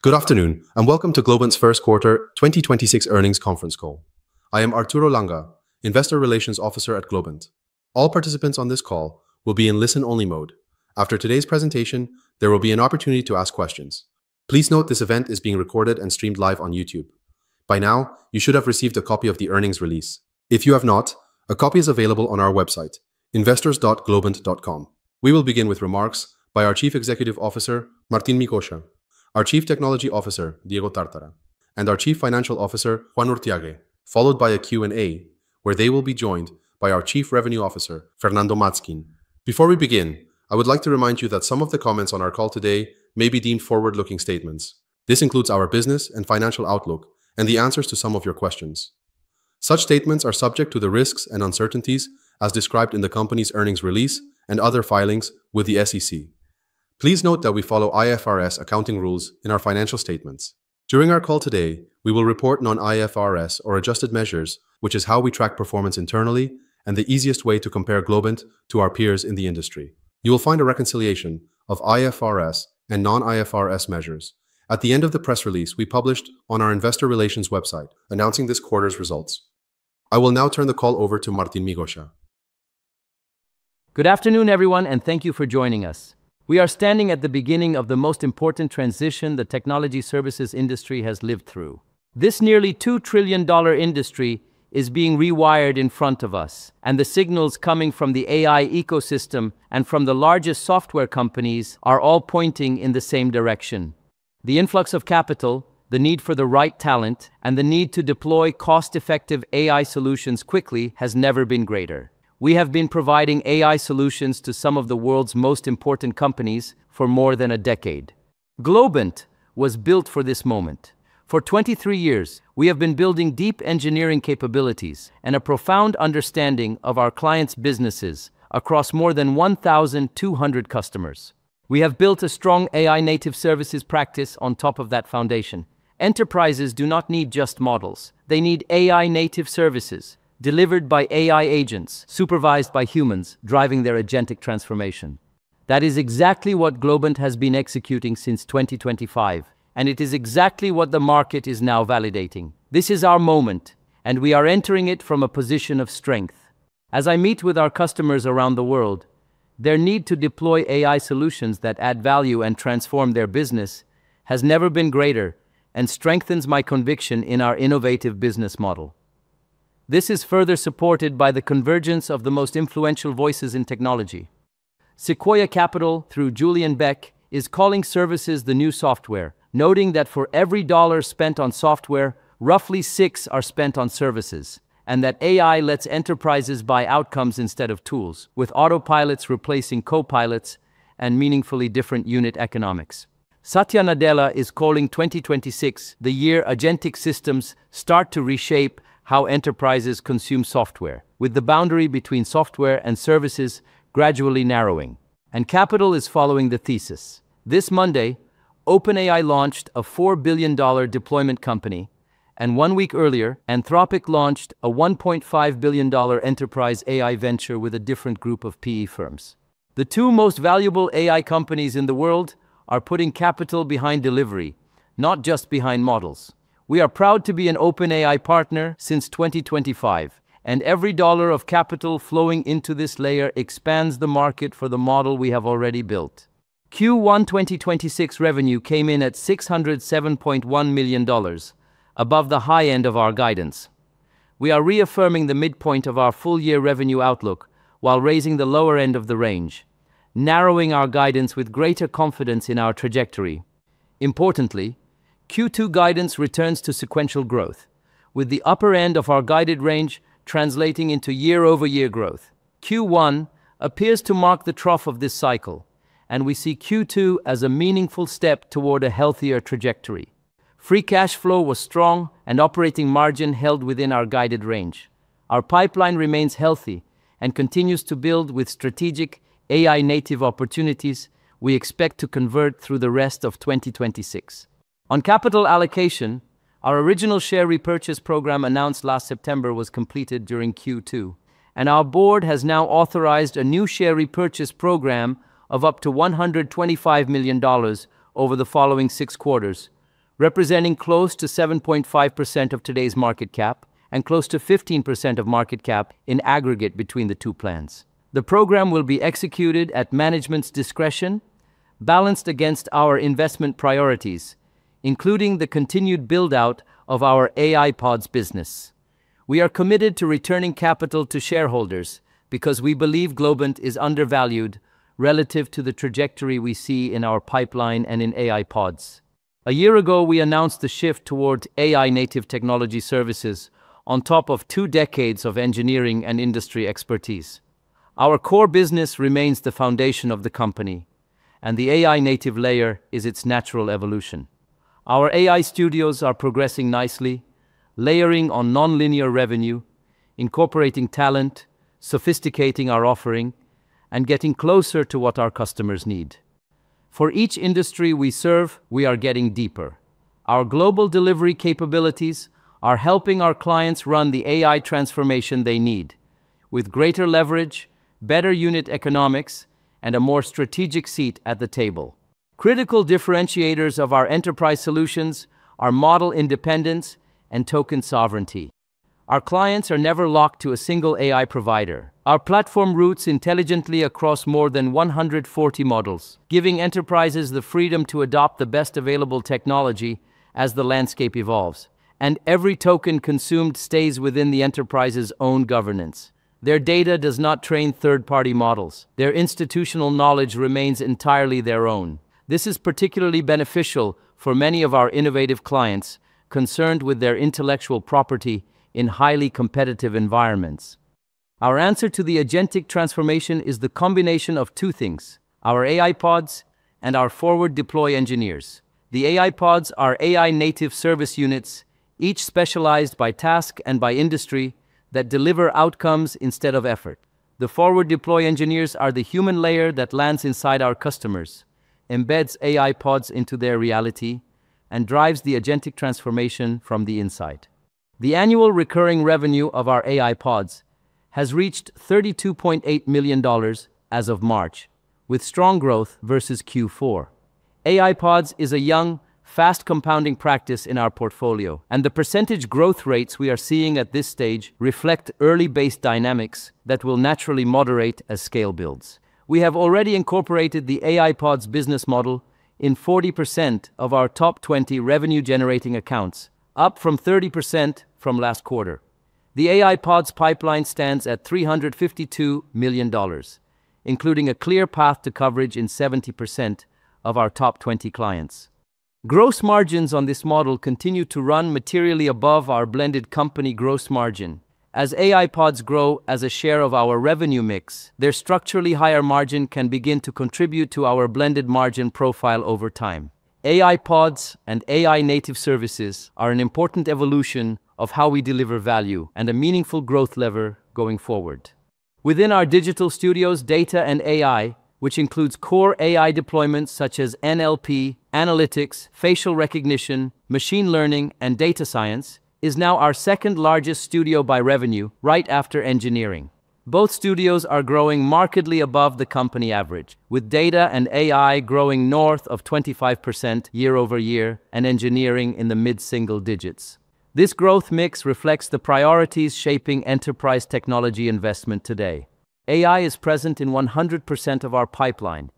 Good afternoon, and welcome to Globant's first quarter 2026 earnings conference call. I am Arturo Langa, Investor Relations Officer at Globant. All participants on this call will be in listen-only mode. After today's presentation, there will be an opportunity to ask questions. Please note this event is being recorded and streamed live on YouTube. By now, you should have received a copy of the earnings release. If you have not, a copy is available on our website, investors.globant.com. We will begin with remarks by our Chief Executive Officer, Martín Migoya; our Chief Technology Officer, Diego Tartara; and our Chief Financial Officer, Juan Urthiague, followed by a Q&A where they will be joined by our Chief Revenue Officer, Fernando Matzkin. Before we begin, I would like to remind you that some of the comments on our call today may be deemed forward-looking statements. This includes our business and financial outlook and the answers to some of your questions. Such statements are subject to the risks and uncertainties as described in the company's earnings release and other filings with the SEC. Please note that we follow IFRS accounting rules in our financial statements. During our call today, we will report non-IFRS or adjusted measures, which is how we track performance internally and the easiest way to compare Globant to our peers in the industry. You will find a reconciliation of IFRS and non-IFRS measures at the end of the press release we published on our investor relations website announcing this quarter's results. I will now turn the call over to Martín Migoya. Good afternoon, everyone, and thank you for joining us. We are standing at the beginning of the most important transition the technology services industry has lived through. This nearly $2 trillion industry is being rewired in front of us. The signals coming from the AI ecosystem and from the largest software companies are all pointing in the same direction. The influx of capital, the need for the right talent, and the need to deploy cost-effective AI solutions quickly has never been greater. We have been providing AI solutions to some of the world's most important companies for more than a decade. Globant was built for this moment. For 23 years, we have been building deep engineering capabilities and a profound understanding of our clients' businesses across more than 1,200 customers. We have built a strong AI native services practice on top of that foundation. Enterprises do not need just models. They need AI native services delivered by AI agents supervised by humans driving their agentic transformation. That is exactly what Globant has been executing since 2025, and it is exactly what the market is now validating. This is our moment, and we are entering it from a position of strength. As I meet with our customers around the world, their need to deploy AI solutions that add value and transform their business has never been greater and strengthens my conviction in our innovative business model. This is further supported by the convergence of the most influential voices in technology. Sequoia Capital, through Julien Bek, is calling services the new software, noting that for every dollar spent on software, roughly six are spent on services and that AI lets enterprises buy outcomes instead of tools, with autopilots replacing Copilots and meaningfully different unit economics. Satya Nadella is calling 2026 the year agentic systems start to reshape how enterprises consume software, with the boundary between software and services gradually narrowing, capital is following the thesis. This Monday, OpenAI launched a $4 billion deployment company, one week earlier, Anthropic launched a $1.5 billion enterprise AI venture with a different group of PE firms. The two most valuable AI companies in the world are putting capital behind delivery, not just behind models. We are proud to be an OpenAI partner since 2025, every dollar of capital flowing into this layer expands the market for the model we have already built. Q1 2026 revenue came in at $607.1 million, above the high end of our guidance. We are reaffirming the midpoint of our full year revenue outlook while raising the lower end of the range, narrowing our guidance with greater confidence in our trajectory. Importantly, Q2 guidance returns to sequential growth, with the upper end of our guided range translating into year-over-year growth. Q1 appears to mark the trough of this cycle, and we see Q2 as a meaningful step toward a healthier trajectory. Free cash flow was strong and operating margin held within our guided range. Our pipeline remains healthy and continues to build with strategic AI-native opportunities we expect to convert through the rest of 2026. On capital allocation, our original share repurchase program announced last September was completed during Q2, and our board has now authorized a new share repurchase program of up to $125 million over the following six quarters, representing close to 7.5% of today's market cap and close to 15% of market cap in aggregate between the two plans. The program will be executed at management's discretion, balanced against our investment priorities, including the continued build-out of our AI Pods business. We are committed to returning capital to shareholders because we believe Globant is undervalued relative to the trajectory we see in our pipeline and in AI Pods. A year ago, we announced the shift toward AI native technology services on top of two decades of engineering and industry expertise. Our core business remains the foundation of the company. The AI-native layer is its natural evolution. Our AI studios are progressing nicely, layering on nonlinear revenue, incorporating talent, sophisticating our offering, and getting closer to what our customers need. For each industry we serve, we are getting deeper. Our global delivery capabilities are helping our clients run the AI transformation they need. With greater leverage, better unit economics, and a more strategic seat at the table. Critical differentiators of our enterprise solutions are model independence and token sovereignty. Our clients are never locked to a single AI provider. Our platform routes intelligently across more than 140 models, giving enterprises the freedom to adopt the best available technology as the landscape evolves. Every token consumed stays within the enterprise's own governance. Their data does not train third-party models. Their institutional knowledge remains entirely their own. This is particularly beneficial for many of our innovative clients concerned with their intellectual property in highly competitive environments. Our answer to the agentic transformation is the combination of two things, our AI Pods and our Forward Deploy Engineers. The AI Pods are AI-native service units, each specialized by task and by industry that deliver outcomes instead of effort. The Forward Deploy Engineers are the human layer that lands inside our customers, embeds AI Pods into their reality, and drives the agentic transformation from the inside. The annual recurring revenue of our AI Pods has reached $32.8 million as of March, with strong growth versus Q4. AI Pods is a young, fast compounding practice in our portfolio, and the percentage growth rates we are seeing at this stage reflect early base dynamics that will naturally moderate as scale builds. We have already incorporated the AI Pods business model in 40% of our top 20 revenue-generating accounts, up from 30% from last quarter. The AI Pods pipeline stands at $352 million, including a clear path to coverage in 70% of our top 20 clients. Gross margins on this model continue to run materially above our blended company gross margin. As AI Pods grow as a share of our revenue mix, their structurally higher margin can begin to contribute to our blended margin profile over time. AI Pods and AI-native services are an important evolution of how we deliver value and a meaningful growth lever going forward. Within our digital studios, data and AI, which includes core AI deployments such as NLP, analytics, facial recognition, machine learning, and data science, is now our second-largest studio by revenue, right after engineering. Both studios are growing markedly above the company average, with data and AI growing north of 25% year-over-year and engineering in the mid-single digits. This growth makes reflects the priority shaping enterprise technology investment today. AI is present in 100% of our pipeline.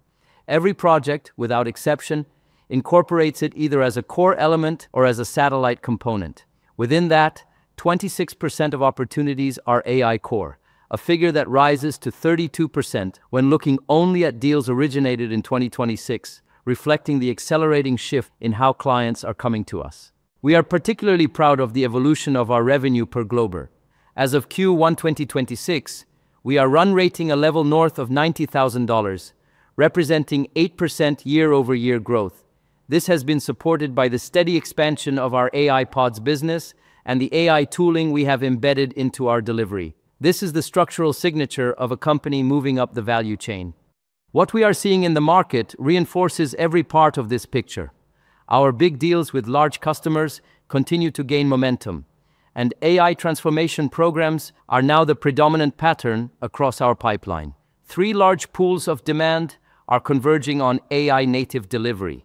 Every project, without exception, incorporates it either as a core element or as a satellite component. Within that, 26% of opportunities are AI core, a figure that rises to 32% when looking only at deals originated in 2026, reflecting the accelerating shift in how clients are coming to us. We are particularly proud of the evolution of our revenue per Glober. As of Q1 2026, we are run-rating a level north of $90,000, representing 8% year-over-year growth. This has been supported by the steady expansion of our AI Pods business and the AI tooling we have embedded into our delivery. This is the structural signature of a company moving up the value chain. What we are seeing in the market reinforces every part of this picture. Our big deals with large customers continue to gain momentum. AI transformation programs are now the predominant pattern across our pipeline. Three large pools of demand are converging on AI-native delivery.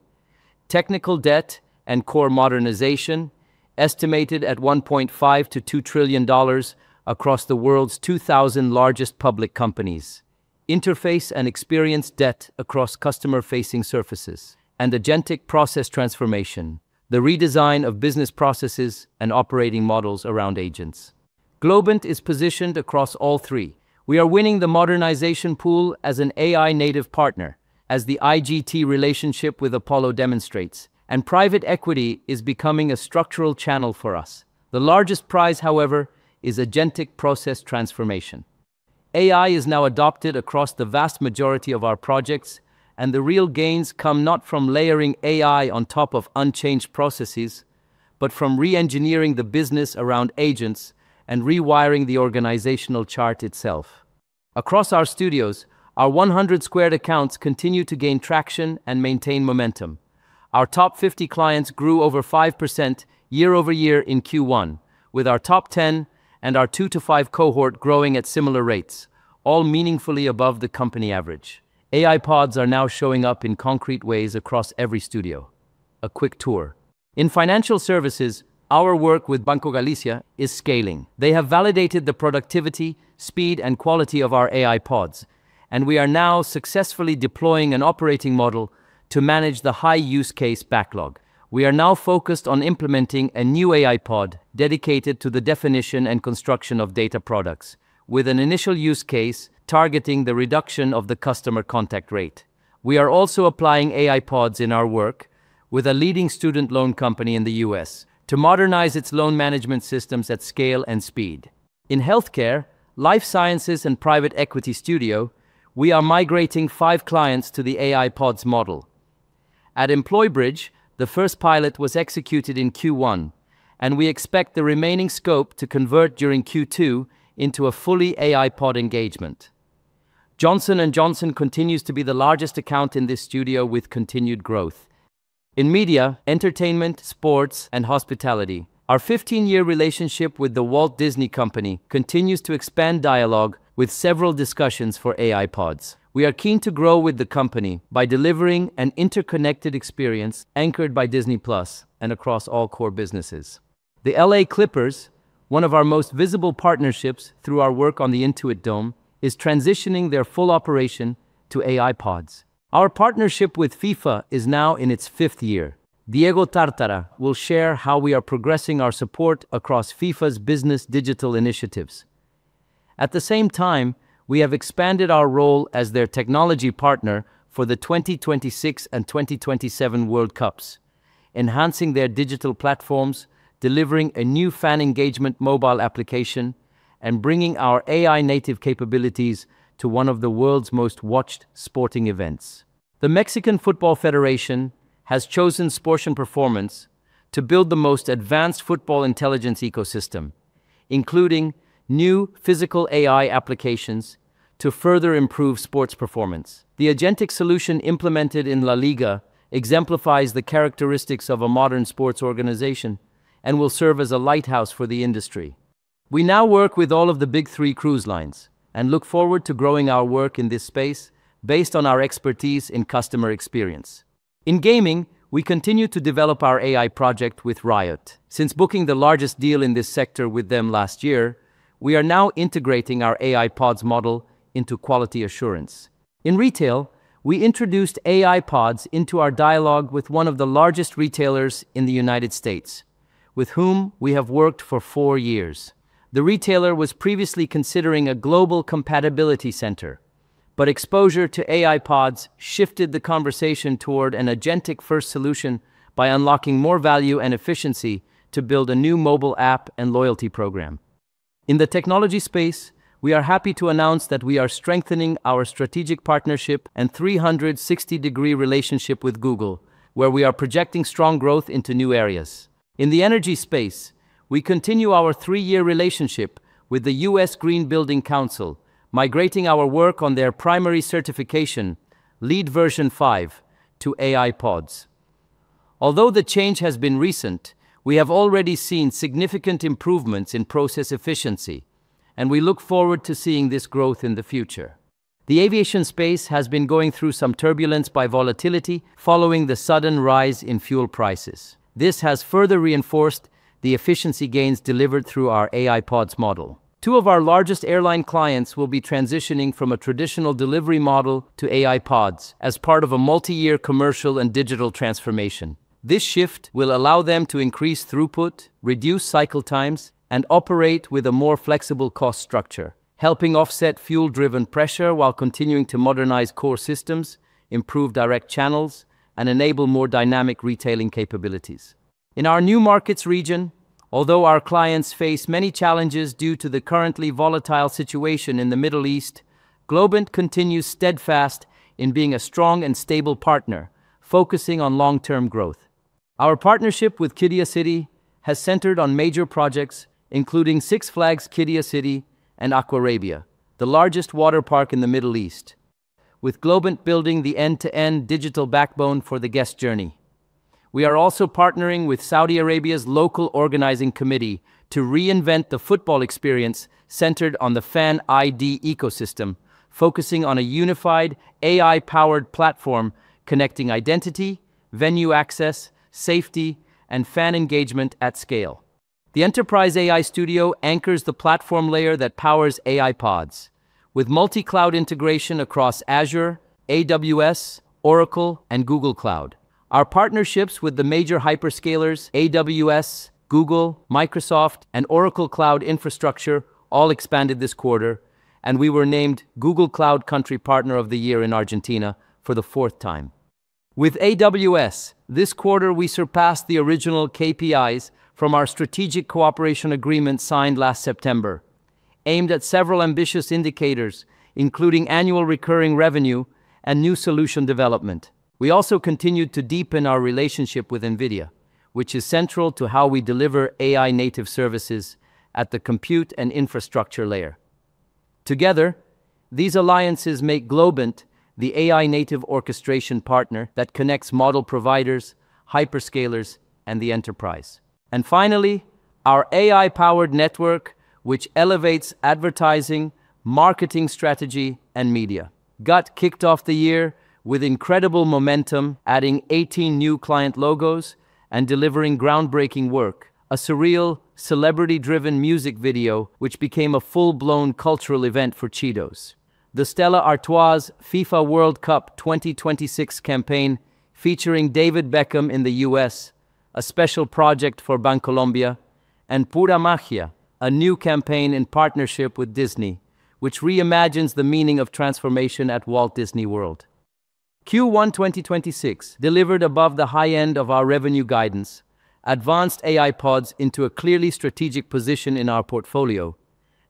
Technical debt and core modernization, estimated at $1.5 trillion-$2 trillion across the world's 2,000 largest public companies. Interface and experience debt across customer-facing surfaces and agentic process transformation, the redesign of business processes and operating models around agents. Globant is positioned across all three. We are winning the modernization pool as an AI-native partner, as the IGT relationship with Apollo demonstrates, and private equity is becoming a structural channel for us. The largest prize, however, is agentic process transformation. AI is now adopted across the vast majority of our projects, and the real gains come not from layering AI on top of unchanged processes, but from re-engineering the business around agents and rewiring the organizational chart itself. Across our studios, our 100 Squared accounts continue to gain traction and maintain momentum. Our top 50 clients grew over 5% year-over-year in Q1, with our top 10 and our two to five cohort growing at similar rates, all meaningfully above the company average. AI Pods are now showing up in concrete ways across every studio. A quick tour. In financial services, our work with Banco Galicia is scaling. They have validated the productivity, speed, and quality of our AI Pods. We are now successfully deploying an operating model to manage the high use case backlog. We are now focused on implementing a new AI Pod dedicated to the definition and construction of data products, with an initial use case targeting the reduction of the customer contact rate. We are also applying AI Pods in our work with a leading student loan company in the U.S. to modernize its loan management systems at scale and speed. In healthcare, life sciences, and private equity studio, we are migrating five clients to the AI Pods model. At EmployBridge, the first pilot was executed in Q1. We expect the remaining scope to convert during Q2 into a fully AI Pod engagement. Johnson & Johnson continues to be the largest account in this studio with continued growth. In media, entertainment, sports, and hospitality, our 15-year relationship with The Walt Disney Company continues to expand dialogue with several discussions for AI Pods. We are keen to grow with the company by delivering an interconnected experience anchored by Disney+ and across all core businesses. The LA Clippers, one of our most visible partnerships through our work on the Intuit Dome, is transitioning their full operation to AI Pods. Our partnership with FIFA is now in its fifth year. Diego Tartara will share how we are progressing our support across FIFA's business digital initiatives. At the same time, we have expanded our role as their technology partner for the 2026 and 2027 World Cups, enhancing their digital platforms, delivering a new fan engagement mobile application, and bringing our AI-native capabilities to one of the world's most watched sporting events. The Mexican Football Federation has chosen Sportian to build the most advanced football intelligence ecosystem, including new physical AI applications to further improve sports performance. The agentic solution implemented in La Liga exemplifies the characteristics of a modern sports organization and will serve as a lighthouse for the industry. We now work with all of the big three cruise lines and look forward to growing our work in this space based on our expertise in customer experience. In gaming, we continue to develop our AI project with Riot. Since booking the largest deal in this sector with them last year, we are now integrating our AI Pods model into quality assurance. In retail, we introduced AI Pods into our dialogue with one of the largest retailers in the United States, with whom we have worked for four years. The retailer was previously considering a global compatibility center, but exposure to AI Pods shifted the conversation toward an agentic-first solution by unlocking more value and efficiency to build a new mobile app and loyalty program. In the technology space, we are happy to announce that we are strengthening our strategic partnership and 360-degree relationship with Google, where we are projecting strong growth into new areas. In the energy space, we continue our three year relationship with the US Green Building Council, migrating our work on their primary certification, LEED v5, to AI Pods. Although the change has been recent, we have already seen significant improvements in process efficiency, and we look forward to seeing this growth in the future. The aviation space has been going through some turbulence by volatility following the sudden rise in fuel prices. This has further reinforced the efficiency gains delivered through our AI Pods model. two of our largest airline clients will be transitioning from a traditional delivery model to AI Pods as part of a multi-year commercial and digital transformation. This shift will allow them to increase throughput, reduce cycle times, and operate with a more flexible cost structure, helping offset fuel-driven pressure while continuing to modernize core systems, improve direct channels, and enable more dynamic retailing capabilities. In our new markets region, although our clients face many challenges due to the currently volatile situation in the Middle East, Globant continues steadfast in being a strong and stable partner focusing on long-term growth. Our partnership with Qiddiya City has centered on major projects, including Six Flags Qiddiya City and Aquarabia, the largest water park in the Middle East, with Globant building the end-to-end digital backbone for the guest journey. We are also partnering with Saudi Arabia's local organizing committee to reinvent the football experience centered on the Fan ID ecosystem, focusing on a unified AI-powered platform connecting identity, venue access, safety, and fan engagement at scale. The Enterprise AI Studio anchors the platform layer that powers AI Pods with multi-cloud integration across Azure, AWS, Oracle, and Google Cloud. Our partnerships with the major hyperscalers, AWS, Google, Microsoft, and Oracle Cloud Infrastructure all expanded this quarter, and we were named Google Cloud Country Partner of the Year in Argentina for the fourth time. With AWS this quarter, we surpassed the original KPIs from our strategic cooperation agreement signed last September, aimed at several ambitious indicators, including annual recurring revenue and new solution development. We also continued to deepen our relationship with NVIDIA, which is central to how we deliver AI native services at the compute and infrastructure layer. Together, these alliances make Globant the AI native orchestration partner that connects model providers, hyperscalers, and the enterprise. Finally, our AI-powered network, which elevates advertising, marketing strategy, and media. GUT kicked off the year with incredible momentum, adding 18 new client logos and delivering groundbreaking work: a surreal celebrity-driven music video which became a full-blown cultural event for Cheetos. The Stella Artois FIFA World Cup 2026 campaign featuring David Beckham in the U.S., a special project for Bancolombia, and Pura Magia, a new campaign in partnership with Disney, which reimagines the meaning of transformation at Walt Disney World. Q1 2026 delivered above the high end of our revenue guidance, advanced AI Pods into a clearly strategic position in our portfolio,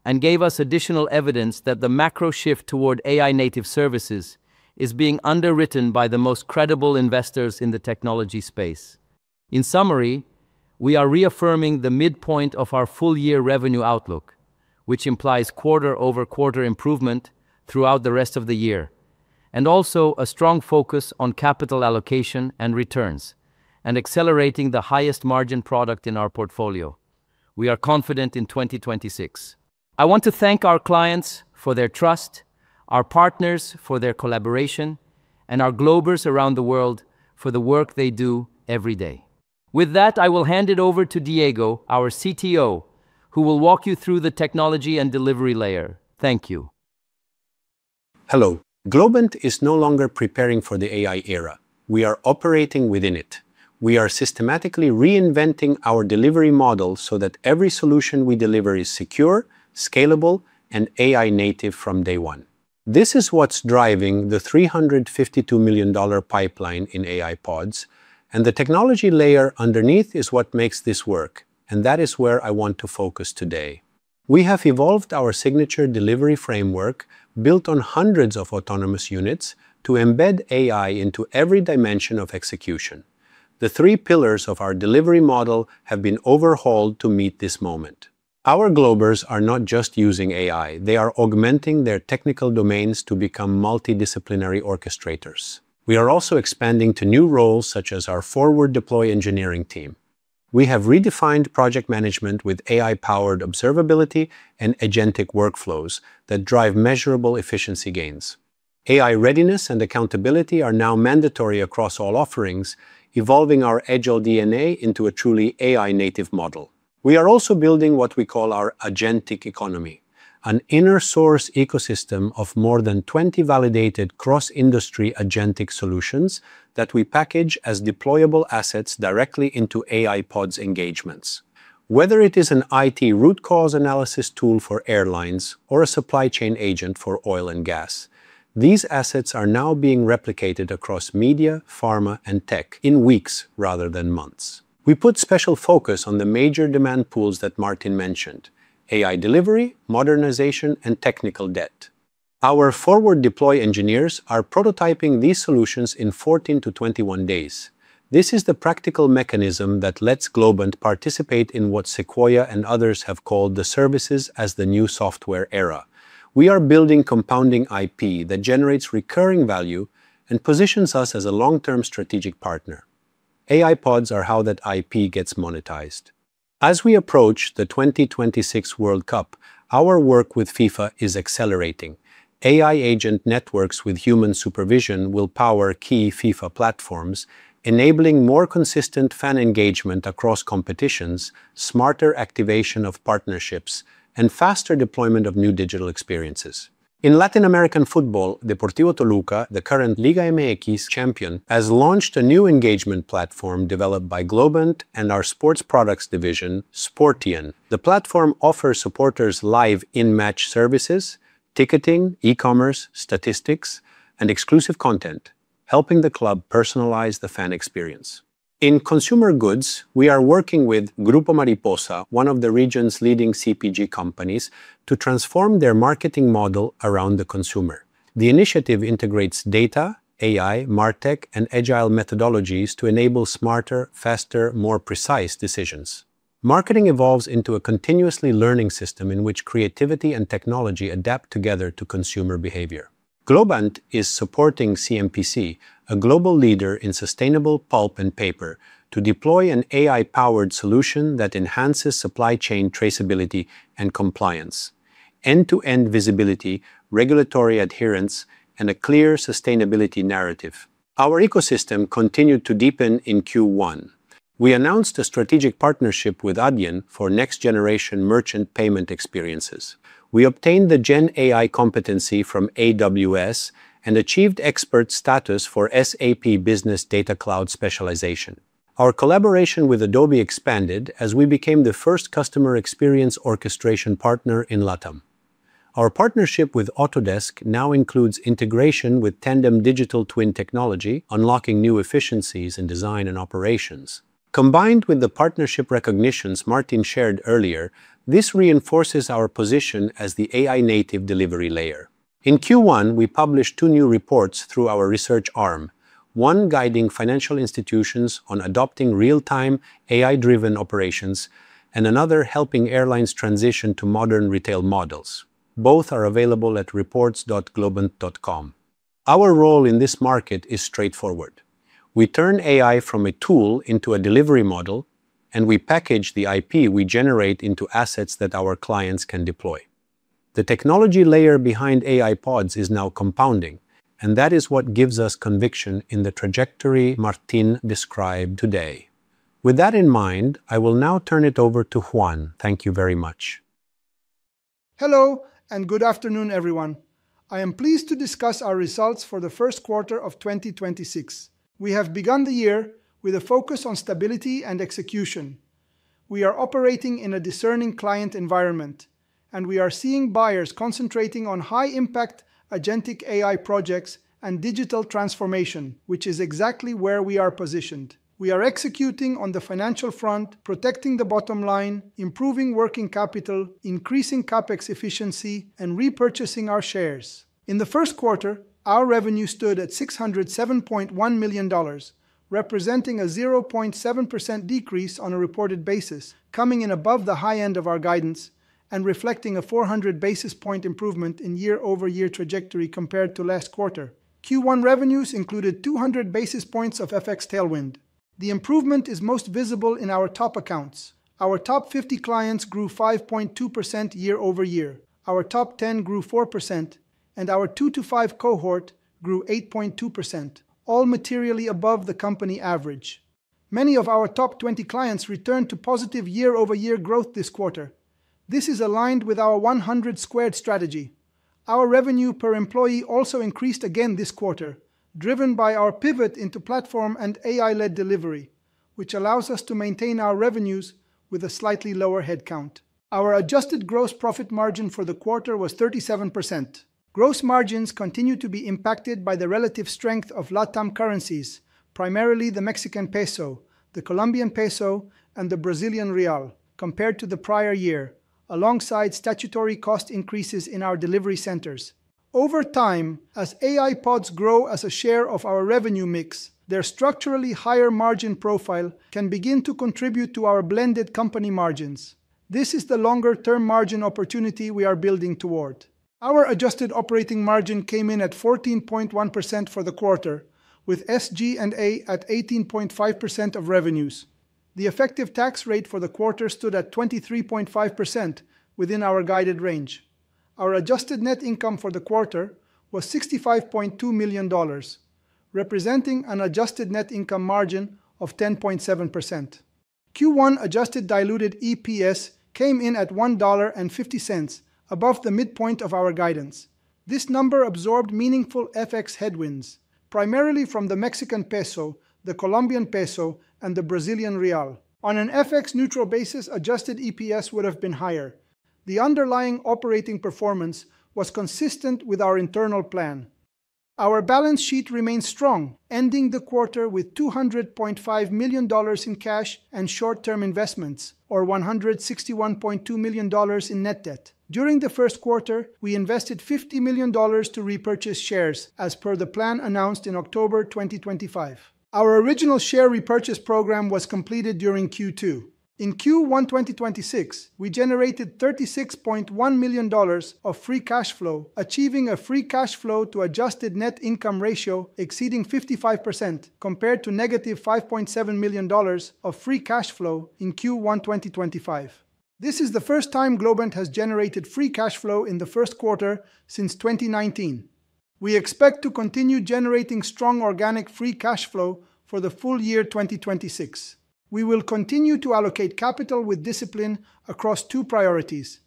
and gave us additional evidence that the macro shift toward AI native services is being underwritten by the most credible investors in the technology space. In summary, we are reaffirming the midpoint of our full-year revenue outlook, which implies quarter-over-quarter improvement throughout the rest of the year, and also a strong focus on capital allocation and returns and accelerating the highest margin product in our portfolio. We are confident in 2026. I want to thank our clients for their trust, our partners for their collaboration, and our Globers around the world for the work they do every day. With that, I will hand it over to Diego, our CTO, who will walk you through the technology and delivery layer. Thank you. Hello. Globant is no longer preparing for the AI era. We are operating within it. We are systematically reinventing our delivery model so that every solution we deliver is secure, scalable, and AI-native from day one. This is what's driving the $352 million pipeline in AI Pods, and the technology layer underneath is what makes this work, and that is where I want to focus today. We have evolved our signature delivery framework built on hundreds of autonomous units to embed AI into every dimension of execution. The three pillars of our delivery model have been overhauled to meet this moment. Our Globers are not just using AI, they are augmenting their technical domains to become multidisciplinary orchestrators. We are also expanding to new roles such as our Forward Deployed engineering team. We have redefined project management with AI-powered observability and agentic workflows that drive measurable efficiency gains. AI readiness and accountability are now mandatory across all offerings, evolving our agile DNA into a truly AI-native model. We are also building what we call our agentic economy, an inner-source ecosystem of more than 20 validated cross-industry agentic solutions that we package as deployable assets directly into AI Pods engagements. Whether it is an IT root cause analysis tool for airlines or a supply chain agent for oil and gas, these assets are now being replicated across media, pharma, and tech in weeks rather than months. We put special focus on the major demand pools that Martín mentioned: AI delivery, modernization, and technical debt. Our Forward Deployed Engineers are prototyping these solutions in 14-21 days. This is the practical mechanism that lets Globant participate in what Sequoia and others have called the services as the new software era. We are building compounding IP that generates recurring value and positions us as a long-term strategic partner. AI Pods are how that IP gets monetized. As we approach the 2026 World Cup, our work with FIFA is accelerating. AI agent networks with human supervision will power key FIFA platforms, enabling more consistent fan engagement across competitions, smarter activation of partnerships, and faster deployment of new digital experiences. In Latin American football, Deportivo Toluca, the current Liga MX champion, has launched a new engagement platform developed by Globant and our sports products division, Sportian. The platform offers supporters live in-match services, ticketing, e-commerce, statistics, and exclusive content, helping the club personalize the fan experience. In consumer goods, we are working with Grupo Mariposa, one of the region's leading CPG companies, to transform their marketing model around the consumer. The initiative integrates data, AI, MarTech, and agile methodologies to enable smarter, faster, more precise decisions. Marketing evolves into a continuously learning system in which creativity and technology adapt together to consumer behavior. Globant is supporting CMPC, a global leader in sustainable pulp and paper, to deploy an AI-powered solution that enhances supply chain traceability and compliance, end-to-end visibility, regulatory adherence, and a clear sustainability narrative. Our ecosystem continued to deepen in Q1. We announced a strategic partnership with Adyen for next-generation merchant payment experiences. We obtained the GenAI competency from AWS and achieved expert status for SAP Business Data Cloud specialization. Our collaboration with Adobe expanded as we became the first customer experience orchestration partner in LATAM. Our partnership with Autodesk now includes integration with Tandem digital twin technology, unlocking new efficiencies in design and operations. Combined with the partnership recognitions Martín shared earlier, this reinforces our position as the AI-native delivery layer. In Q1, we published two new reports through our research arm, one guiding financial institutions on adopting real-time AI-driven operations, and another helping airlines transition to modern retail models. Both are available at reports.globant.com. Our role in this market is straightforward. We turn AI from a tool into a delivery model, and we package the IP we generate into assets that our clients can deploy. The technology layer behind AI Pods is now compounding, and that is what gives us conviction in the trajectory Martín described today. With that in mind, I will now turn it over to Juan. Thank you very much. Hello, and good afternoon, everyone. I am pleased to discuss our results for the first quarter of 2026. We have begun the year with a focus on stability and execution. We are operating in a discerning client environment, and we are seeing buyers concentrating on high-impact agentic AI projects and digital transformation, which is exactly where we are positioned. We are executing on the financial front, protecting the bottom line, improving working capital, increasing CapEx efficiency, and repurchasing our shares. In the first quarter, our revenue stood at $607.1 million, representing a 0.7% decrease on a reported basis coming in above the high end of our guidance, and reflecting a 400 basis point improvement in year-over-year trajectory compared to last quarter. Q1 revenues included 200 basis points of FX tailwind. The improvement is most visible in our top accounts. Our top 50 clients grew 5.2% year-over-year. Our top 10 grew 4%, and our two to five cohort grew 8.2%, all materially above the company average. Many of our top 20 clients returned to positive year-over-year growth this quarter. This is aligned with our 100 Squared strategy. Our revenue per employee also increased again this quarter, driven by our pivot into platform and AI-led delivery, which allows us to maintain our revenues with a slightly lower headcount. Our adjusted gross profit margin for the quarter was 37%. Gross margins continue to be impacted by the relative strength of LATAM currencies, primarily the Mexican peso, the Colombian peso, and the Brazilian real compared to the prior year, alongside statutory cost increases in our delivery centers. Over time, as AI Pods grow as a share of our revenue mix, their structurally higher margin profile can begin to contribute to our blended company margins. This is the longer-term margin opportunity we are building toward. Our adjusted operating margin came in at 14.1% for the quarter, with SG&A at 18.5% of revenues. The effective tax rate for the quarter stood at 23.5% within our guided range. Our adjusted net income for the quarter was $65.2 million, representing an adjusted net income margin of 10.7%. Q1 adjusted diluted EPS came in at $1.50 above the midpoint of our guidance. This number absorbed meaningful FX headwinds, primarily from the Mexican peso, the Colombian peso, and the Brazilian real. On an FX neutral basis, adjusted EPS would have been higher. The underlying operating performance was consistent with our internal plan. Our balance sheet remains strong, ending the quarter with $200.5 million in cash and short-term investments, or $161.2 million in net debt. During the first quarter, we invested $50 million to repurchase shares as per the plan announced in October 2025. Our original share repurchase program was completed during Q2. In Q1 2026, we generated $36.1 million of free cash flow, achieving a free cash flow to adjusted net income ratio exceeding 55% compared to negative $5.7 million of free cash flow in Q1 2025. This is the first time Globant has generated free cash flow in the first quarter since 2019. We expect to continue generating strong organic free cash flow for the full year 2026. We will continue to allocate capital with discipline across two priorities: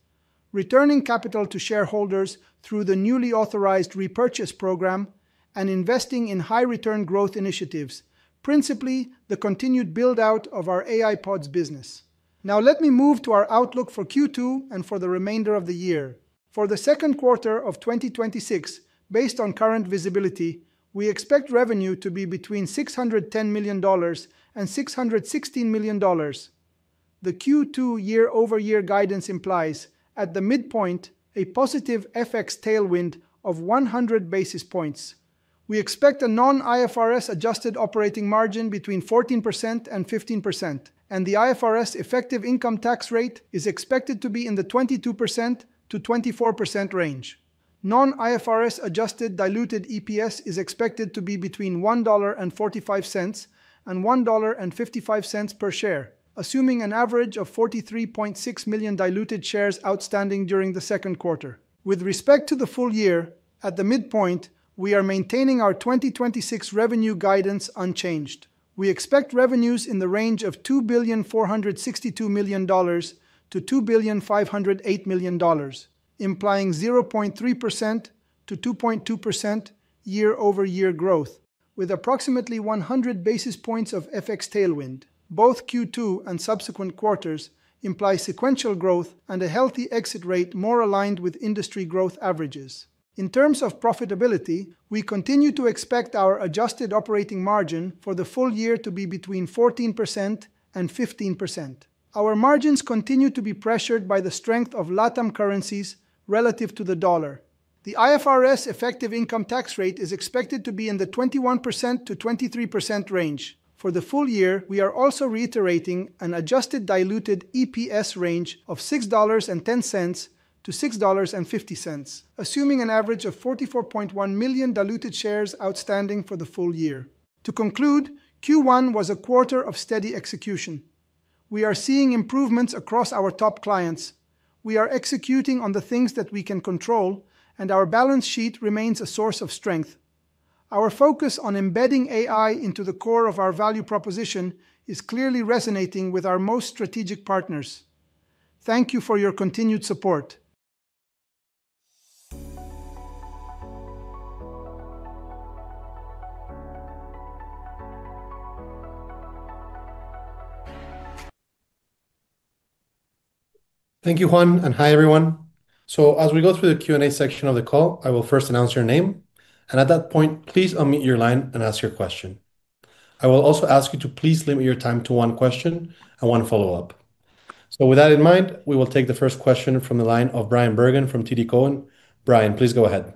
returning capital to shareholders through the newly authorized repurchase program and investing in high return growth initiatives, principally the continued build-out of our AI Pods business. Let me move to our outlook for Q2 and for the remainder of the year. For the second quarter of 2026, based on current visibility, we expect revenue to be between $610 million and $616 million. The Q2 year-over-year guidance implies, at the midpoint, a positive FX tailwind of 100 basis points. We expect a non-IFRS adjusted operating margin between 14% and 15%, and the IFRS effective income tax rate is expected to be in the 22%-24% range. Non-IFRS adjusted diluted EPS is expected to be between $1.45 and $1.55 per share, assuming an average of 43.6 million diluted shares outstanding during the second quarter. With respect to the full year, at the midpoint, we are maintaining our 2026 revenue guidance unchanged. We expect revenues in the range of $2.462 billion-$2.508 billion, implying 0.3%-2.2% year-over-year growth with approximately 100 basis points of FX tailwind. Both Q2 and subsequent quarters imply sequential growth and a healthy exit rate more aligned with industry growth averages. In terms of profitability, we continue to expect our adjusted operating margin for the full year to be between 14% and 15%. Our margins continue to be pressured by the strength of LATAM currencies relative to the dollar. The IFRS effective income tax rate is expected to be in the 21%-23% range. For the full year, we are also reiterating an adjusted diluted EPS range of $6.10-$6.50, assuming an average of 44.1 million diluted shares outstanding for the full year. To conclude, Q1 was a quarter of steady execution. We are seeing improvements across our top clients. We are executing on the things that we can control, and our balance sheet remains a source of strength. Our focus on embedding AI into the core of our value proposition is clearly resonating with our most strategic partners. Thank you for your continued support. Thank you, Juan, and hi, everyone. As we go through the Q&A section of the call, I will first announce your name, and at that point, please unmute your line and ask your question. I will also ask you to please limit your time to one question and one follow-up. With that in mind, we will take the first question from the line of Bryan Bergin from TD Cowen. Bryan, please go ahead.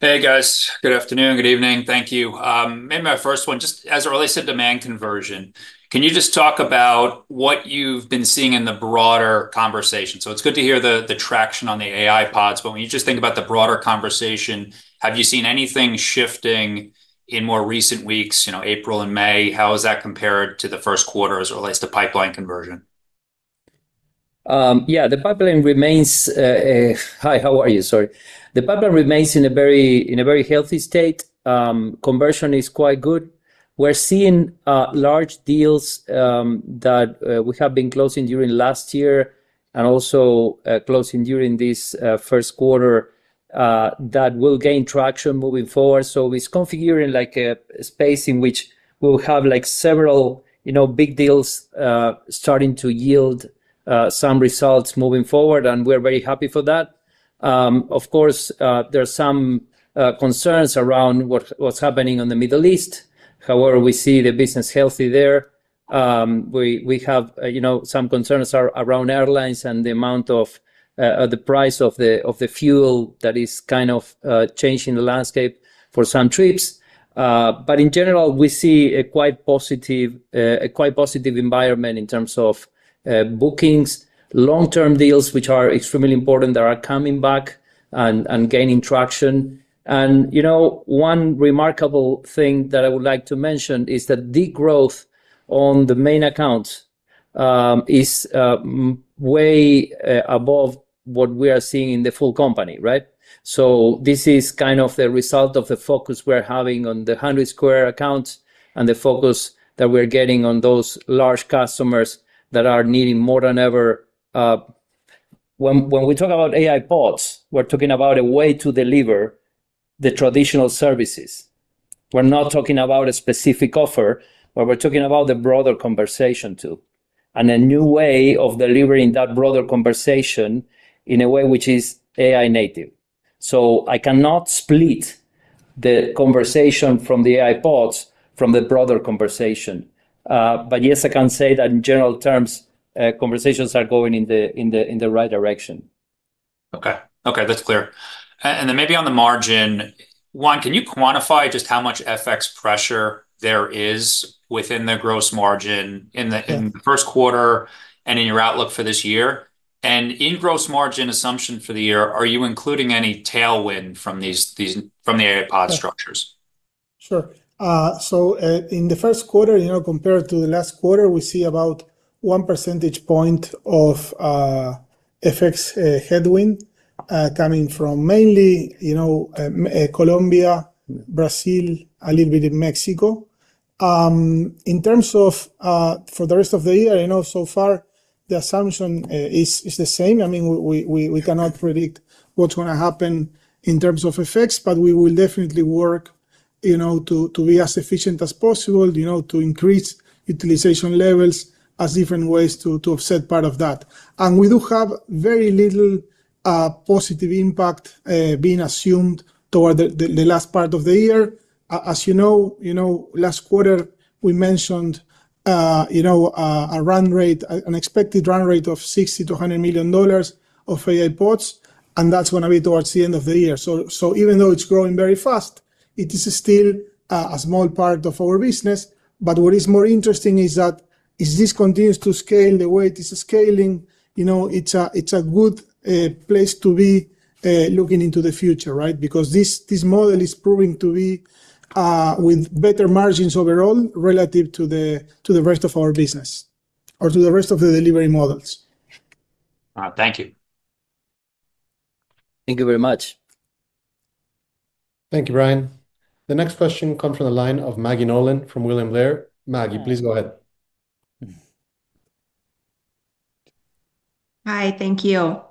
Hey, guys. Good afternoon, good evening. Thank you. Maybe my first one, just as it relates to demand conversion, can you just talk about what you've been seeing in the broader conversation? It's good to hear the traction on the AI Pods, but when you just think about the broader conversation, have you seen anything shifting in more recent weeks, you know, April and May? How has that compared to the first quarter as it relates to pipeline conversion? Yeah, the pipeline remains. Hi, how are you? Sorry. The pipeline remains in a very healthy state. Conversion is quite good. We're seeing large deals that we have been closing during last year and also closing during this first quarter that will gain traction moving forward. It's configuring like a space in which we'll have like several, you know, big deals starting to yield some results moving forward, and we're very happy for that. Of course, there's some concerns around what's happening on the Middle East. However, we see the business healthy there. We have, you know, some concerns around airlines and the amount of the price of the fuel that is kind of changing the landscape for some trips. In general, we see a quite positive environment in terms of bookings. Long-term deals, which are extremely important, that are coming back and gaining traction. You know, one remarkable thing that I would like to mention is that the growth on the main accounts is way above what we are seeing in the full company, right? This is kind of the result of the focus we're having on the 100 Squared accounts and the focus that we're getting on those large customers that are needing more than ever. When we talk about AI Pods, we're talking about a way to deliver the traditional services. We're not talking about a specific offer, but we're talking about the broader conversation too, and a new way of delivering that broader conversation in a way which is AI-native. I cannot split the conversation from the AI Pods from the broader conversation. Yes, I can say that in general terms, conversations are going in the, in the, in the right direction. Okay. Okay, that's clear. Then maybe on the margin, Juan, can you quantify just how much FX pressure there is within the gross margin? Yeah in the first quarter and in your outlook for this year? In gross margin assumption for the year, are you including any tailwind from these, from the AI Pod structures? Sure. In the first quarter, you know, compared to the last quarter, we see about 1 percentage point of FX headwind coming from mainly, you know, Colombia, Brazil, a little bit in Mexico. In terms of for the rest of the year, you know, so far the assumption is the same. I mean, we cannot predict what's gonna happen in terms of FX, but we will definitely work, you know, to be as efficient as possible, you know, to increase utilization levels as different ways to offset part of that. We do have very little positive impact being assumed toward the last part of the year. As you know, last quarter we mentioned, you know, a run rate, an expected run rate of $60 million-$100 million of AI Pods, and that's gonna be towards the end of the year. Even though it's growing very fast, it is still a small part of our business. What is more interesting is that if this continues to scale the way it is scaling, you know, it's a good place to be looking into the future, right? This model is proving to be with better margins overall relative to the rest of our business or to the rest of the delivery models. Thank you. Thank you very much. Thank you, Brian. The next question comes from the line of Maggie Nolan from William Blair. Maggie, please go ahead. Hi. Thank you.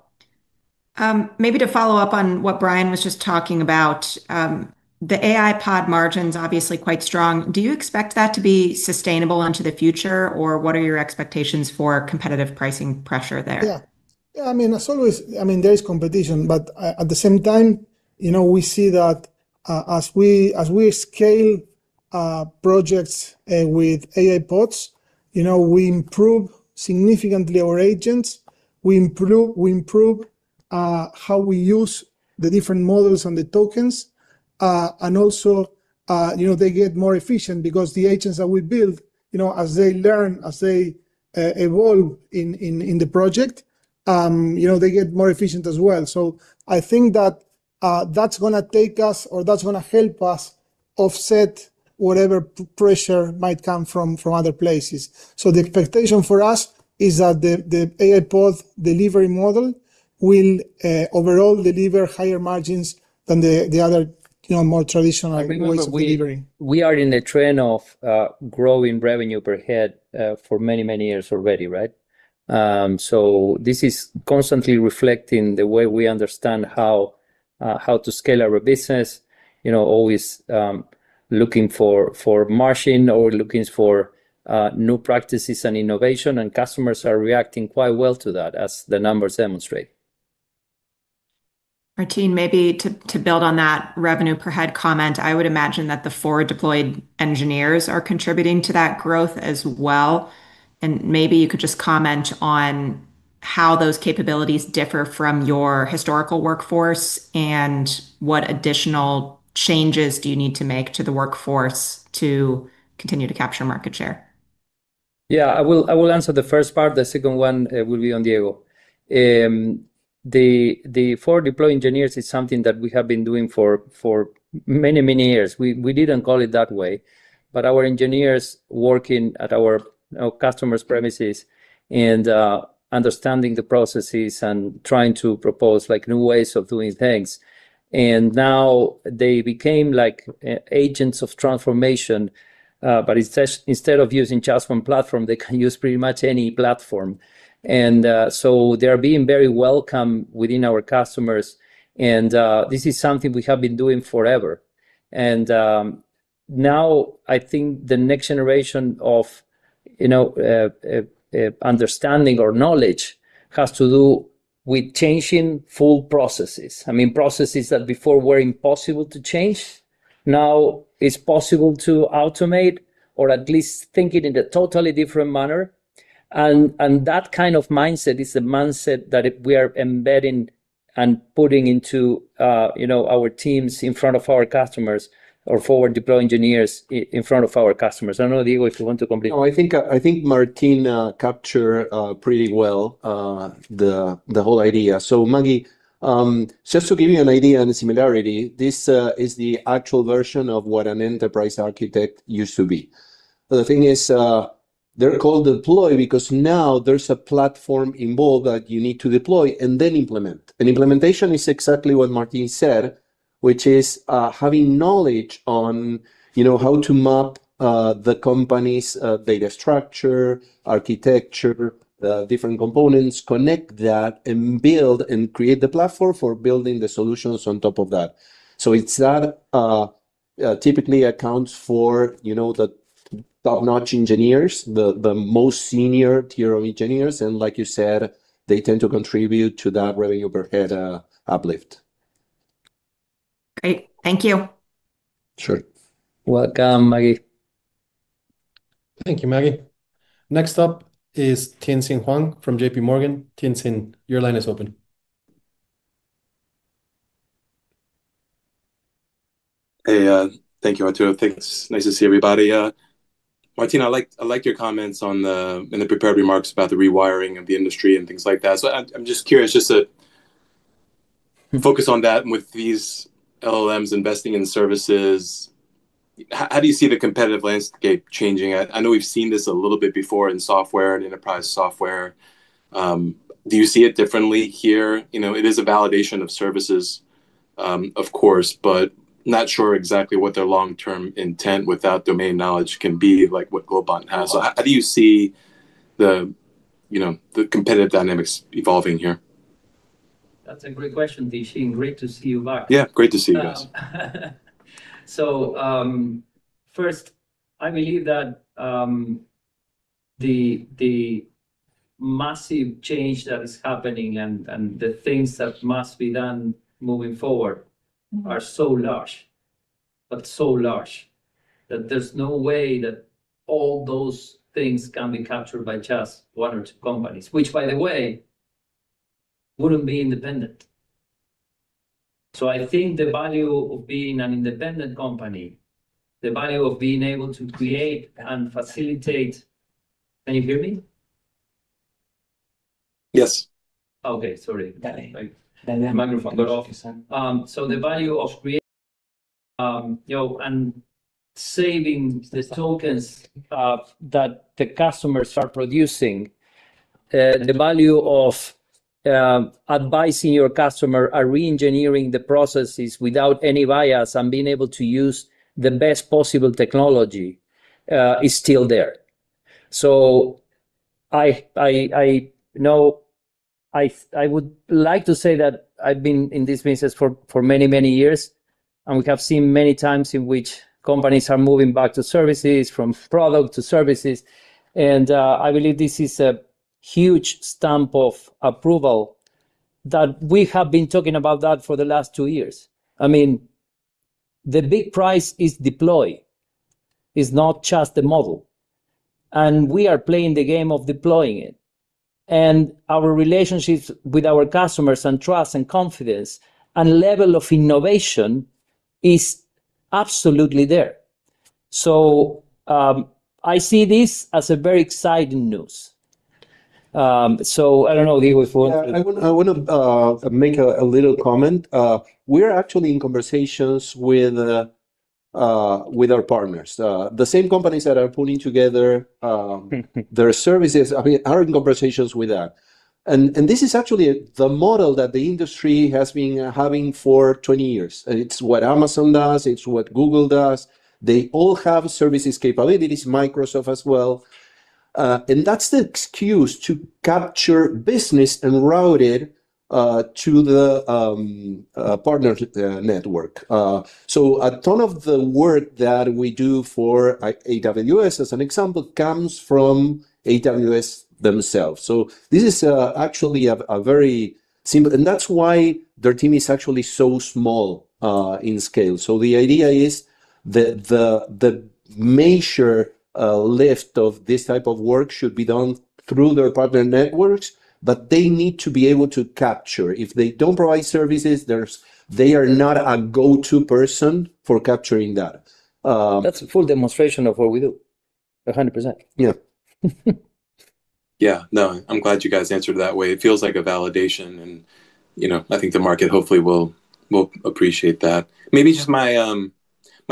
Maybe to follow up on what Bryan was just talking about, the AI Pod margin's obviously quite strong. Do you expect that to be sustainable into the future, or what are your expectations for competitive pricing pressure there? I mean, as always, I mean, there is competition, but at the same time, you know, we see that as we scale projects with AI Pods, you know, we improve significantly our agents. We improve how we use the different models and the tokens. Also, you know, they get more efficient because the agents that we build, you know, as they learn, as they evolve in the project, you know, they get more efficient as well. I think that that's gonna take us or that's gonna help us offset whatever pressure might come from other places. The expectation for us is that the AI Pod delivery model will overall deliver higher margins than the other, you know, more traditional ways of delivering. I mean, we are in a trend of growing revenue per head for many, many years already, right? This is constantly reflecting the way we understand how to scale our business, you know, always looking for margin or looking for new practices and innovation, and customers are reacting quite well to that, as the numbers demonstrate. Martín, maybe to build on that revenue per head comment, I would imagine that the Forward Deployed Engineers are contributing to that growth as well. Maybe you could just comment on how those capabilities differ from your historical workforce, and what additional changes do you need to make to the workforce to continue to capture market share? Yeah. I will answer the first part, the second one will be on Diego. The Forward Deployed Engineers is something that we have been doing for many, many years. We didn't call it that way, but our engineers working at our customer's premises and understanding the processes and trying to propose like new ways of doing things, and now they became like agents of transformation. Instead of using just one platform, they can use pretty much any platform. They are being very welcome within our customers. This is something we have been doing forever. Now I think the next generation of, you know, understanding or knowledge has to do with changing full processes. I mean, processes that before were impossible to change, now it's possible to automate or at least think it in a totally different manner. That kind of mindset is the mindset that we are embedding and putting into, you know, our teams in front of our customers or Forward Deployed Engineers in front of our customers. I don't know, Diego, if you want to complete. No, I think, I think Martín capture pretty well the whole idea. Maggie, just to give you an idea and a similarity, this is the actual version of what an enterprise architect used to be. The thing is, they're called deploy because now there's a platform involved that you need to deploy and then implement. Implementation is exactly what Martín said, which is having knowledge on, you know, how to map the company's data structure, architecture, the different components, connect that, and build and create the platform for building the solutions on top of that. It's that typically accounts for, you know, the top-notch engineers, the most senior tier of engineers, and like you said, they tend to contribute to that revenue per head uplift. Great. Thank you. Sure. Welcome, Maggie. Thank you, Maggie. Next up is Tien-Tsin Huang from J.P. Morgan. Tien-Tsin, your line is open. Hey, thank you, Arturo. Thanks. Nice to see everybody. Martín, I like your comments on the, in the prepared remarks about the rewiring of the industry and things like that. I am just curious just to focus on that with these LLMs investing in services, how do you see the competitive landscape changing? I know we've seen this a little bit before in software and enterprise software. Do you see it differently here? You know, it is a validation of services, of course, but not sure exactly what their long-term intent without domain knowledge can be like what Globant has. How do you see the, you know, the competitive dynamics evolving here? That's a great question, Tien-Tsin. Great to see you back. Yeah, great to see you guys. First, I believe that the massive change that is happening and the things that must be done moving forward are so large, but so large that there's no way that all those things can be captured by just one or two companies, which by the way, wouldn't be independent. I think the value of being an independent company, the value of being able to create and facilitate. Can you hear me? Yes. Okay. Sorry. Microphone off. The value of creating, you know, and saving the tokens of that the customers are producing, the value of advising your customer are re-engineering the processes without any bias and being able to use the best possible technology, is still there. I know I would like to say that I've been in this business for many, many years, we have seen many times in which companies are moving back to services, from product to services, I believe this is a huge stamp of approval that we have been talking about that for the last two years. I mean, the big prize is deploy, is not just the model, and we are playing the game of deploying it, and our relationships with our customers and trust and confidence and level of innovation is absolutely there. I see this as a very exciting news. I don't know, Diego, if you want. Yeah. I wanna make a little comment. We're actually in conversations with our partners. The same companies that are pulling together their services are in conversations with that. This is actually the model that the industry has been having for 20 years. It's what Amazon does, it's what Google does. They all have services capabilities, Microsoft as well. That's the excuse to capture business and route it to the partner network. A ton of the work that we do for AWS, as an example, comes from AWS themselves. This is actually. That's why their team is actually so small, in scale. The major lift of this type of work should be done through their partner networks, but they need to be able to capture. If they don't provide services, they are not a go-to person for capturing data. That's a full demonstration of what we do. 100%. Yeah. Yeah, I'm glad you guys answered that way. It feels like a validation, you know, I think the market hopefully will appreciate that. Maybe just my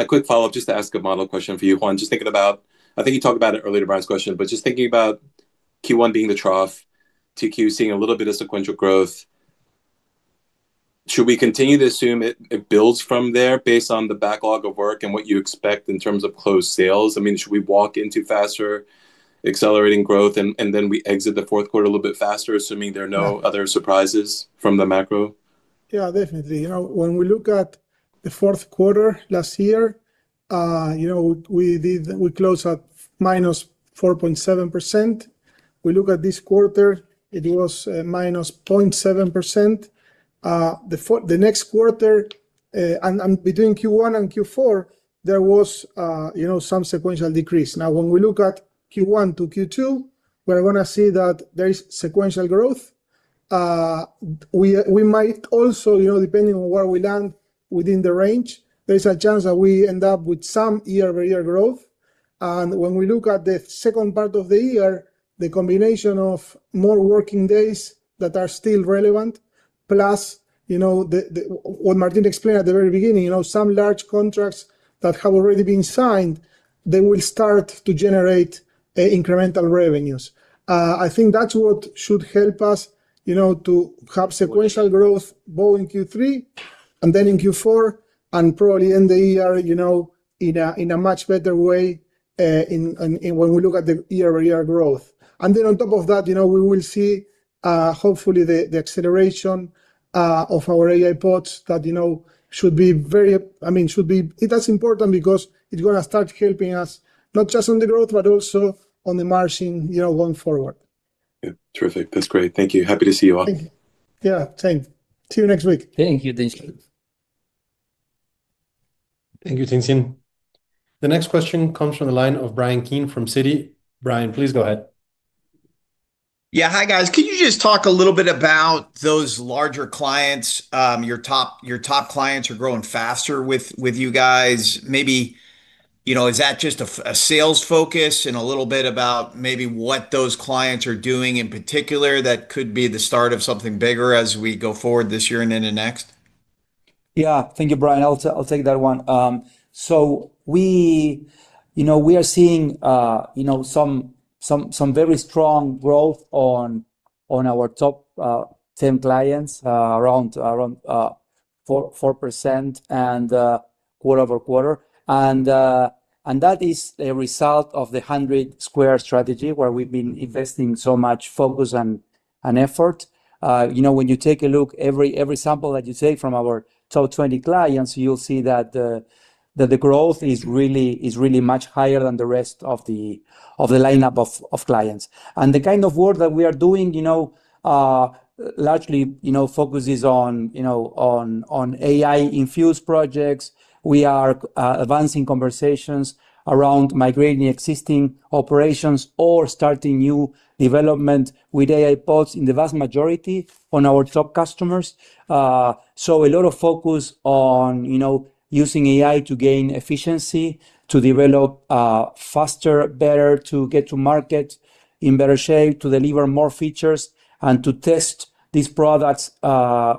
quick follow-up just to ask a model question for you, Juan. I think you talked about it earlier to Bryan's question. Just thinking about Q1 being the trough, Q2 seeing a little bit of sequential growth, should we continue to assume it builds from there based on the backlog of work and what you expect in terms of closed sales? I mean, should we walk into faster accelerating growth and then we exit the fourth quarter a little bit faster, assuming there are no other surprises from the macro? Yeah, definitely. You know, when we look at the fourth quarter last year, you know, we closed at -4.7%. We look at this quarter, it was -0.7%. The next quarter, and between Q1 and Q4, there was, you know, some sequential decrease. Now, when we look at Q1 to Q2, we're going to see that there is sequential growth. We might also, you know, depending on where we land within the range, there's a chance that we end up with some year-over-year growth. When we look at the second part of the year, the combination of more working days that are still relevant, plus, you know, what Martín explained at the very beginning, you know, some large contracts that have already been signed, they will start to generate incremental revenues. I think that's what should help us, you know, to have sequential growth both in Q3 and then in Q4, and probably end the year, you know, in a much better way when we look at the year-over-year growth. Then on top of that, you know, we will see hopefully the acceleration of our AI Pods that, you know, it is important because it's gonna start helping us not just on the growth, but also on the margin, you know, going forward. Yeah. Terrific. That's great. Thank you. Happy to see you all. Thank you. Yeah, same. See you next week. Thank you. Tien-Tsin. Thank you, Tien-Tsin. The next question comes from the line of Bryan Keane from Citi. Bryan, please go ahead. Yeah. Hi, guys. Could you just talk a little bit about those larger clients, your top clients are growing faster with you guys. Maybe, you know, is that just a sales focus? A little bit about maybe what those clients are doing in particular that could be the start of something bigger as we go forward this year and into next. Yeah. Thank you, Bryan. I'll take that one. We, you know, we are seeing some very strong growth on our top 10 clients around 4% and quarter-over-quarter. That is a result of the 100 Squared strategy where we've been investing so much focus and effort. You know, when you take a look every sample that you take from our top 20 clients, you'll see that the growth is really much higher than the rest of the lineup of clients. The kind of work that we are doing, you know, largely, you know, focuses on AI-infused projects. We are advancing conversations around migrating existing operations or starting new development with AI Pods in the vast majority on our top customers. So a lot of focus on, you know, using AI to gain efficiency, to develop faster, better, to get to market in better shape, to deliver more features, and to test these products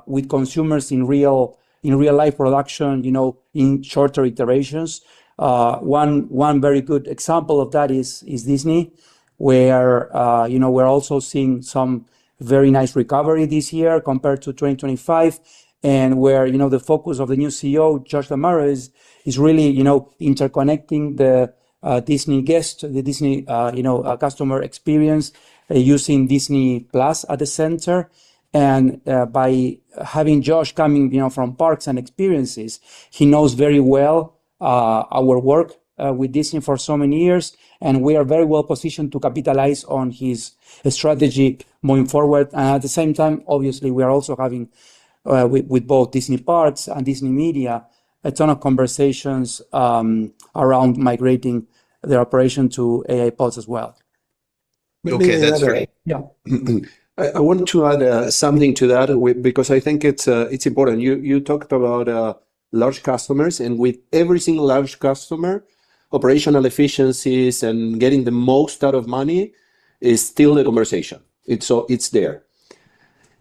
with consumers in real, in real life production, you know, in shorter iterations. One very good example of that is Disney, where, you know, we're also seeing some very nice recovery this year compared to 2025, and where, you know, the focus of the new CEO, Josh D'Amaro, is really, you know, interconnecting the Disney guest, the Disney, you know, customer experience using Disney+ at the center. By having Josh coming, you know, from parks and experiences, he knows very well our work with Disney for so many years, and we are very well positioned to capitalize on his strategy moving forward. At the same time, obviously, we are also having with both Disney Parks and Disney Media, a ton of conversations around migrating their operation to AI Pods as well. Okay. That's great. Yeah. I want to add something to that because I think it's important. You talked about large customers, and with every single large customer, operational efficiencies and getting the most out of money is still the conversation. It's there.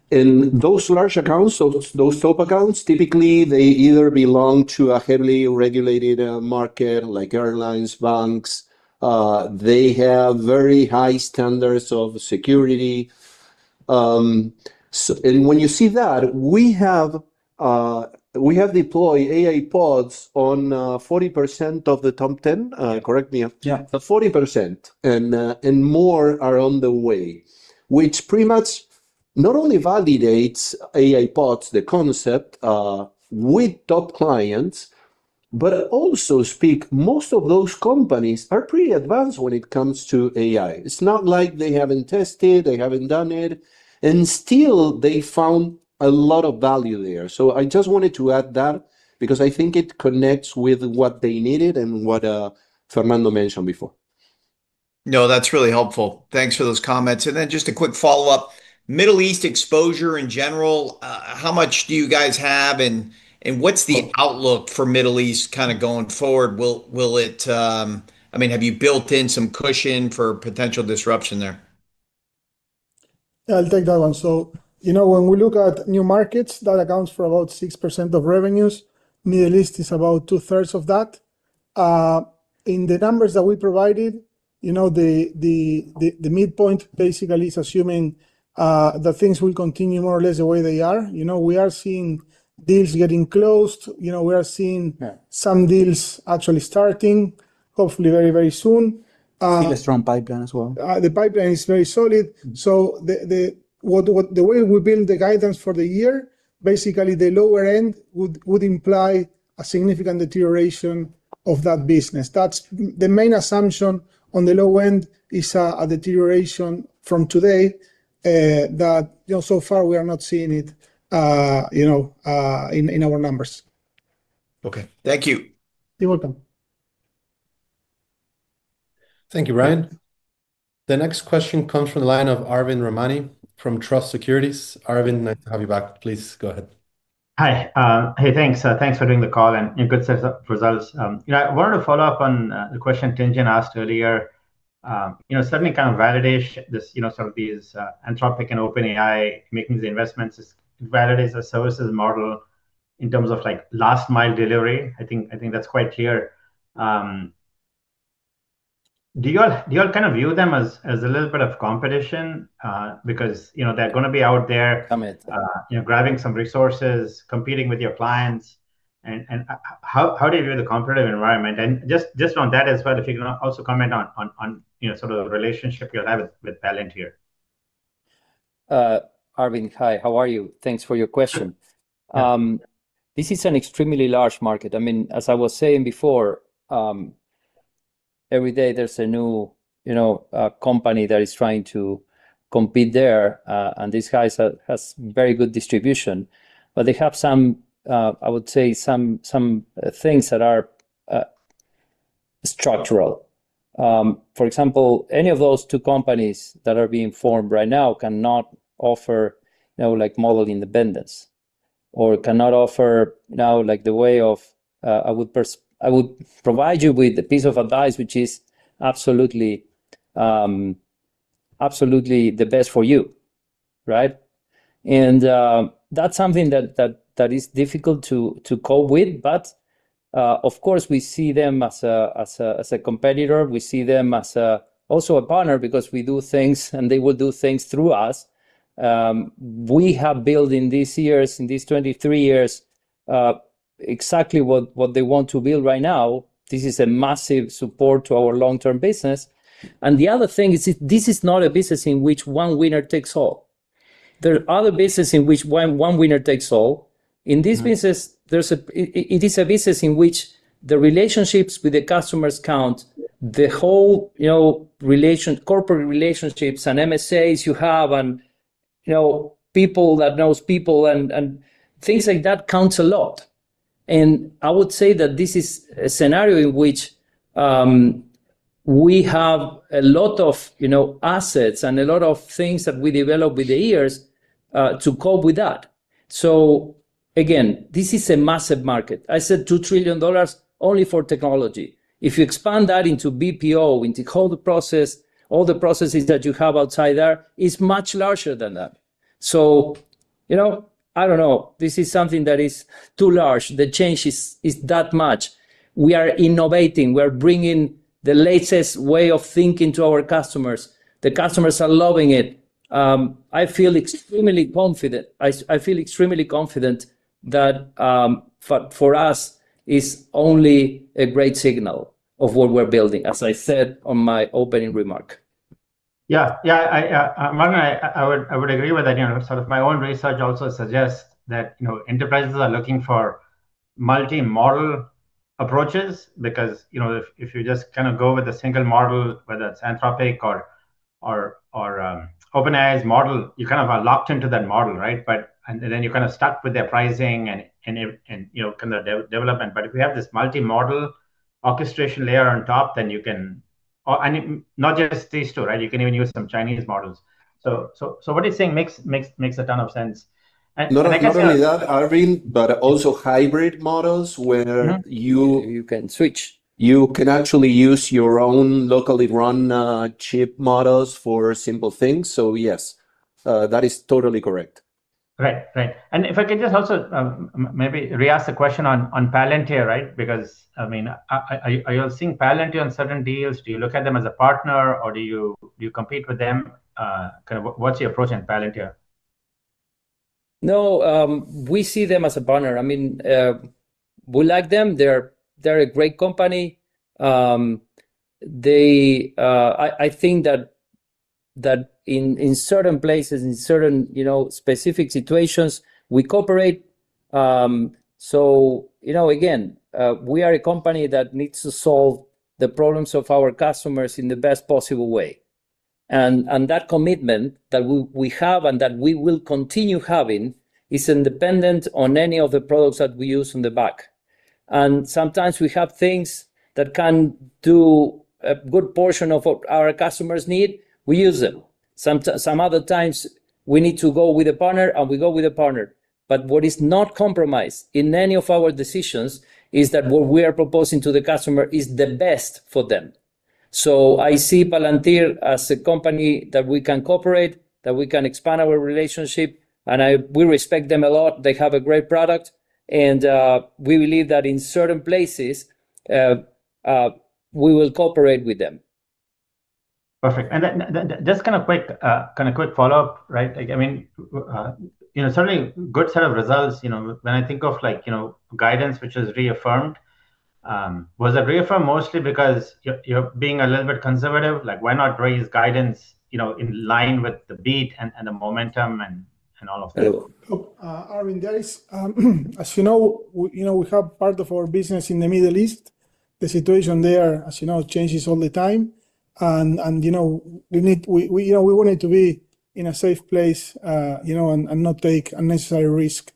Those large accounts or those top accounts, typically, they either belong to a heavily regulated market like airlines, banks. They have very high standards of security. When you see that, we have deployed AI Pods on 40% of the top 10. Correct me. Yeah. 40% and more are on the way, which pretty much not only validates AI Pods, the concept with top clients, but also most of those companies are pretty advanced when it comes to AI. It's not like they haven't tested, they haven't done it, and still they found a lot of value there. I just wanted to add that because I think it connects with what they needed and what Fernando mentioned before. No, that's really helpful. Thanks for those comments. Just a quick follow-up. Middle East exposure in general, how much do you guys have and what's the outlook for Middle East kind of going forward? Will it, I mean, have you built in some cushion for potential disruption there? Yeah, I’ll take that one. You know, when we look at new markets, that accounts for about 6% of revenues. Middle East is about 2/3 of that. In the numbers that we provided, you know, the midpoint basically is assuming that things will continue more or less the way they are. You know, we are seeing deals getting closed. Yeah some deals actually starting hopefully very, very soon. Still a strong pipeline as well. The pipeline is very solid. The way we build the guidance for the year, basically the lower end would imply a significant deterioration of that business. That's the main assumption on the low end is a deterioration from today that, you know, so far we are not seeing it, you know, in our numbers. Okay. Thank you. You're welcome. Thank you, Brian. The next question comes from the line of Arvind Ramnani from Truist Securities. Arvind, nice to have you back. Please go ahead. Hi. Hey, thanks. Thanks for doing the call and good set of results. You know, I wanted to follow up on the question Tien-Tsin asked earlier. You know, certainly kind of validation this, you know, some of these Anthropic and OpenAI making the investments is, validates the services model in terms of, like, last mile delivery. I think that's quite clear. Do you all kind of view them as a little bit of competition? Because, you know, they're gonna be out there- You know, grabbing some resources, competing with your clients. How do you view the competitive environment? Just on that as well, if you can also comment on, you know, sort of the relationship you have with Palantir. Arvind, hi. How are you? Thanks for your question. This is an extremely large market. I mean, as I was saying before, every day there's a new, you know, company that is trying to compete there. These guys have very good distribution. They have some, I would say some things that are structural. For example, any of those two companies that are being formed right now cannot offer, you know, like model independence or cannot offer now, like the way of, I would provide you with a piece of advice which is absolutely the best for you, right? That's something that is difficult to cope with. Of course, we see them as a competitor. We see them as a, also a partner because we do things and they will do things through us. We have built in these years, in these 23 years, exactly what they want to build right now. This is a massive support to our long-term business. The other thing is this is not a business in which one winner takes all. There are other business in which one winner takes all. In this business, it is a business in which the relationships with the customers count, the whole, you know, corporate relationships and MSAs you have and, you know, people that knows people and things like that counts a lot. I would say that this is a scenario in which we have a lot of, you know, assets and a lot of things that we developed with the years to cope with that. Again, this is a massive market. I said $2 trillion only for technology. If you expand that into BPO, into core process, all the processes that you have outside there, it's much larger than that. You know, I don't know, this is something that is too large. The change is that much. We are innovating. We're bringing the latest way of thinking to our customers. The customers are loving it. I feel extremely confident that for us it's only a great signal of what we're building, as I said on my opening remark. Yeah. Yeah. I would agree with that. You know, sort of my own research also suggests that, you know, enterprises are looking for multi-model approaches because, you know, if you just kinda go with a single model, whether it's Anthropic or OpenAI's model, you kind of are locked into that model, right? Then you're kinda stuck with their pricing and, you know, kind of development. If you have this multi-model orchestration layer on top, then you can not just these two, right? You can even use some Chinese models. What you're saying makes a ton of sense. I guess. Not only that, Arvind, but also hybrid models where. You can switch. you can actually use your own locally run, cheap models for simple things. Yes, that is totally correct. Right. Right. If I could just also, maybe re-ask the question on Palantir, right? Because, I mean, are you all seeing Palantir on certain deals? Do you look at them as a partner or do you compete with them? Kind of what's your approach on Palantir? No. We see them as a partner. I mean, we like them. They're a great company. They, I think that in certain places, in certain, you know, specific situations, we cooperate. You know, again, we are a company that needs to solve the problems of our customers in the best possible way. That commitment that we have and that we will continue having is independent on any of the products that we use in the back. Sometimes we have things that can do a good portion of what our customers need, we use them. Some other times we need to go with a partner, we go with a partner. What is not compromised in any of our decisions is that what we are proposing to the customer is the best for them. I see Palantir as a company that we can cooperate, that we can expand our relationship, and we respect them a lot. They have a great product and we believe that in certain places we will cooperate with them. Perfect. Then just kind of quick follow-up, right? Like, I mean, you know, certainly good set of results, you know. When I think of like, you know, guidance which is reaffirmed, was it reaffirmed mostly because you're being a little bit conservative? Like, why not raise guidance, you know, in line with the beat and the momentum and all of that? Arvind, as you know, we have part of our business in the Middle East. The situation there, as you know, changes all the time and, you know, we wanted to be in a safe place, you know, and not take unnecessary risk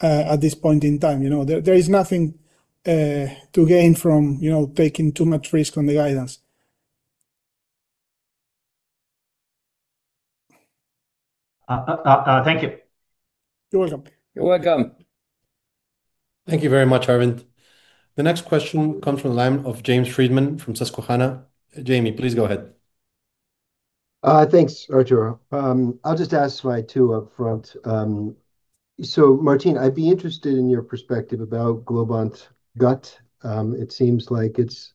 at this point in time, you know. There is nothing to gain from, you know, taking too much risk on the guidance. Thank you. You're welcome. You're welcome. Thank you very much, Arvind. The next question comes from the line of James Friedman from Susquehanna. Jamie, please go ahead. Thanks, Arturo. I'll just ask my two upfront. Martín, I'd be interested in your perspective about Globant GUT. It seems like it's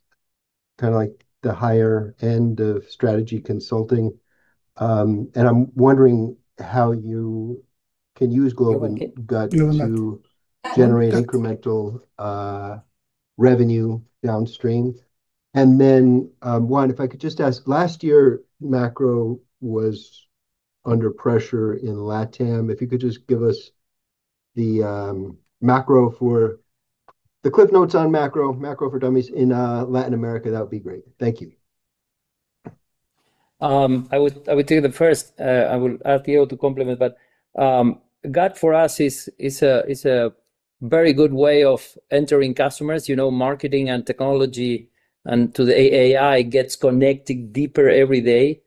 kind of like the higher end of strategy consulting. I'm wondering how you can use Globant GUT to generate incremental revenue downstream. Then, Juan, if I could just ask, last year macro was under pressure in LATAM. If you could just give us the cliff notes on macro for dummies in Latin America, that would be great. Thank you. I would take the first. I will ask you to complement, but GUT for us is a very good way of entering customers. You know, marketing and technology and to the AI gets connected deeper every day.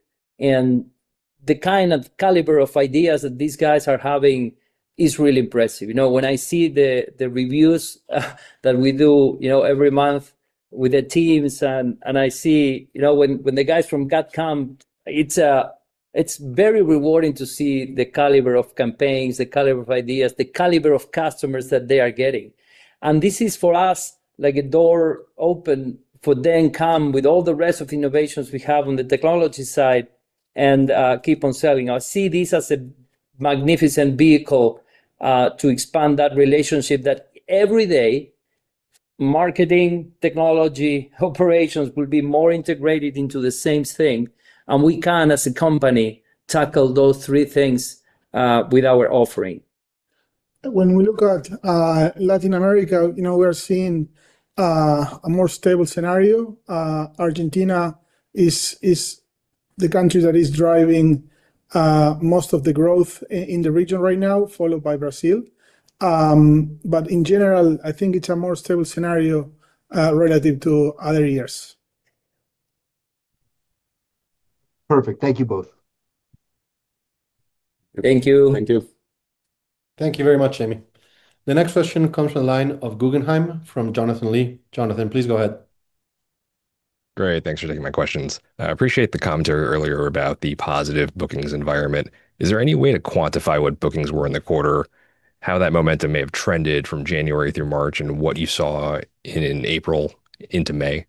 The kind of caliber of ideas that these guys are having is really impressive. You know, when I see the reviews that we do, you know, every month with the teams and I see, you know, when the guys from GUT come, it's very rewarding to see the caliber of campaigns, the caliber of ideas, the caliber of customers that they are getting. This is for us, like a door open for them come with all the rest of innovations we have on the technology side and keep on selling. I see this as a magnificent vehicle, to expand that relationship that every day marketing, technology, operations will be more integrated into the same thing, and we can, as a company, tackle those three things, with our offering. When we look at Latin America, you know, we are seeing a more stable scenario. Argentina is the country that is driving most of the growth in the region right now, followed by Brazil. In general, I think it's a more stable scenario relative to other years. Perfect. Thank you both. Thank you. Thank you. Thank you very much, Jamie. The next question comes from the line of Guggenheim from Jonathan Lee. Jonathan, please go ahead. Great. Thanks for taking my questions. I appreciate the commentary earlier about the positive bookings environment. Is there any way to quantify what bookings were in the quarter, how that momentum may have trended from January through March, and what you saw in April into May?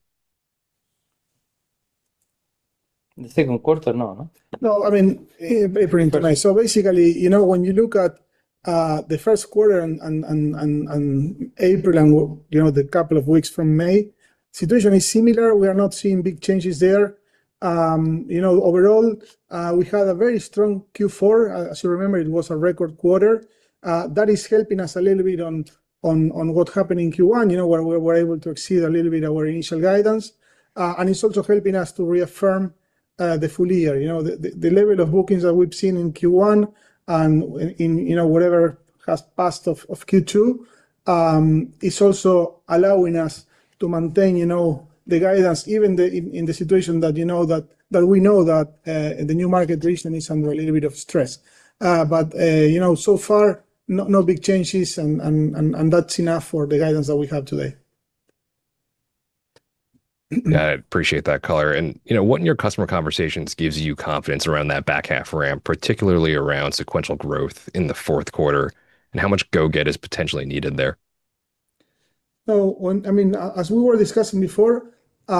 The second quarter? No, no? No, I mean, April into May. Basically, you know, when you look at the first quarter and April and, you know, the couple of weeks from May, situation is similar. We are not seeing big changes there. You know, overall, we had a very strong Q4. As you remember, it was a record quarter. That is helping us a little bit on what happened in Q1, you know, where we were able to exceed a little bit our initial guidance. It's also helping us to reaffirm the full year. You know, the level of bookings that we've seen in Q1 and in, you know, whatever has passed of Q2, is also allowing us to maintain, you know, the guidance even in the situation that you know that we know that the new market region is under a little bit of stress. You know, so far, no big changes and that's enough for the guidance that we have today. Yeah, I appreciate that color. You know, what in your customer conversations gives you confidence around that back half ramp, particularly around sequential growth in the fourth quarter, and how much go-get is potentially needed there? I mean, as we were discussing before, part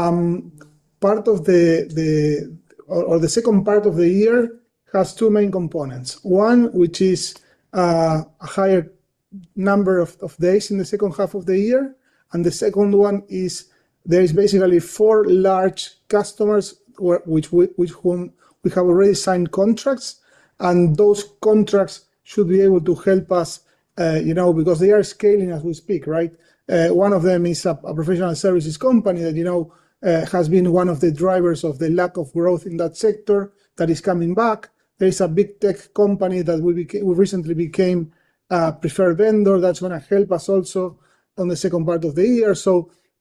of the second part of the year has two main components. One, which is a higher- Number of days in the second half of the year. The second one is there is basically four large customers where, which whom we have already signed contracts, and those contracts should be able to help us, you know, because they are scaling as we speak, right? One of them is a professional services company that, you know, has been one of the drivers of the lack of growth in that sector that is coming back. There is a big tech company that we recently became a preferred vendor that's gonna help us also on the second part of the year.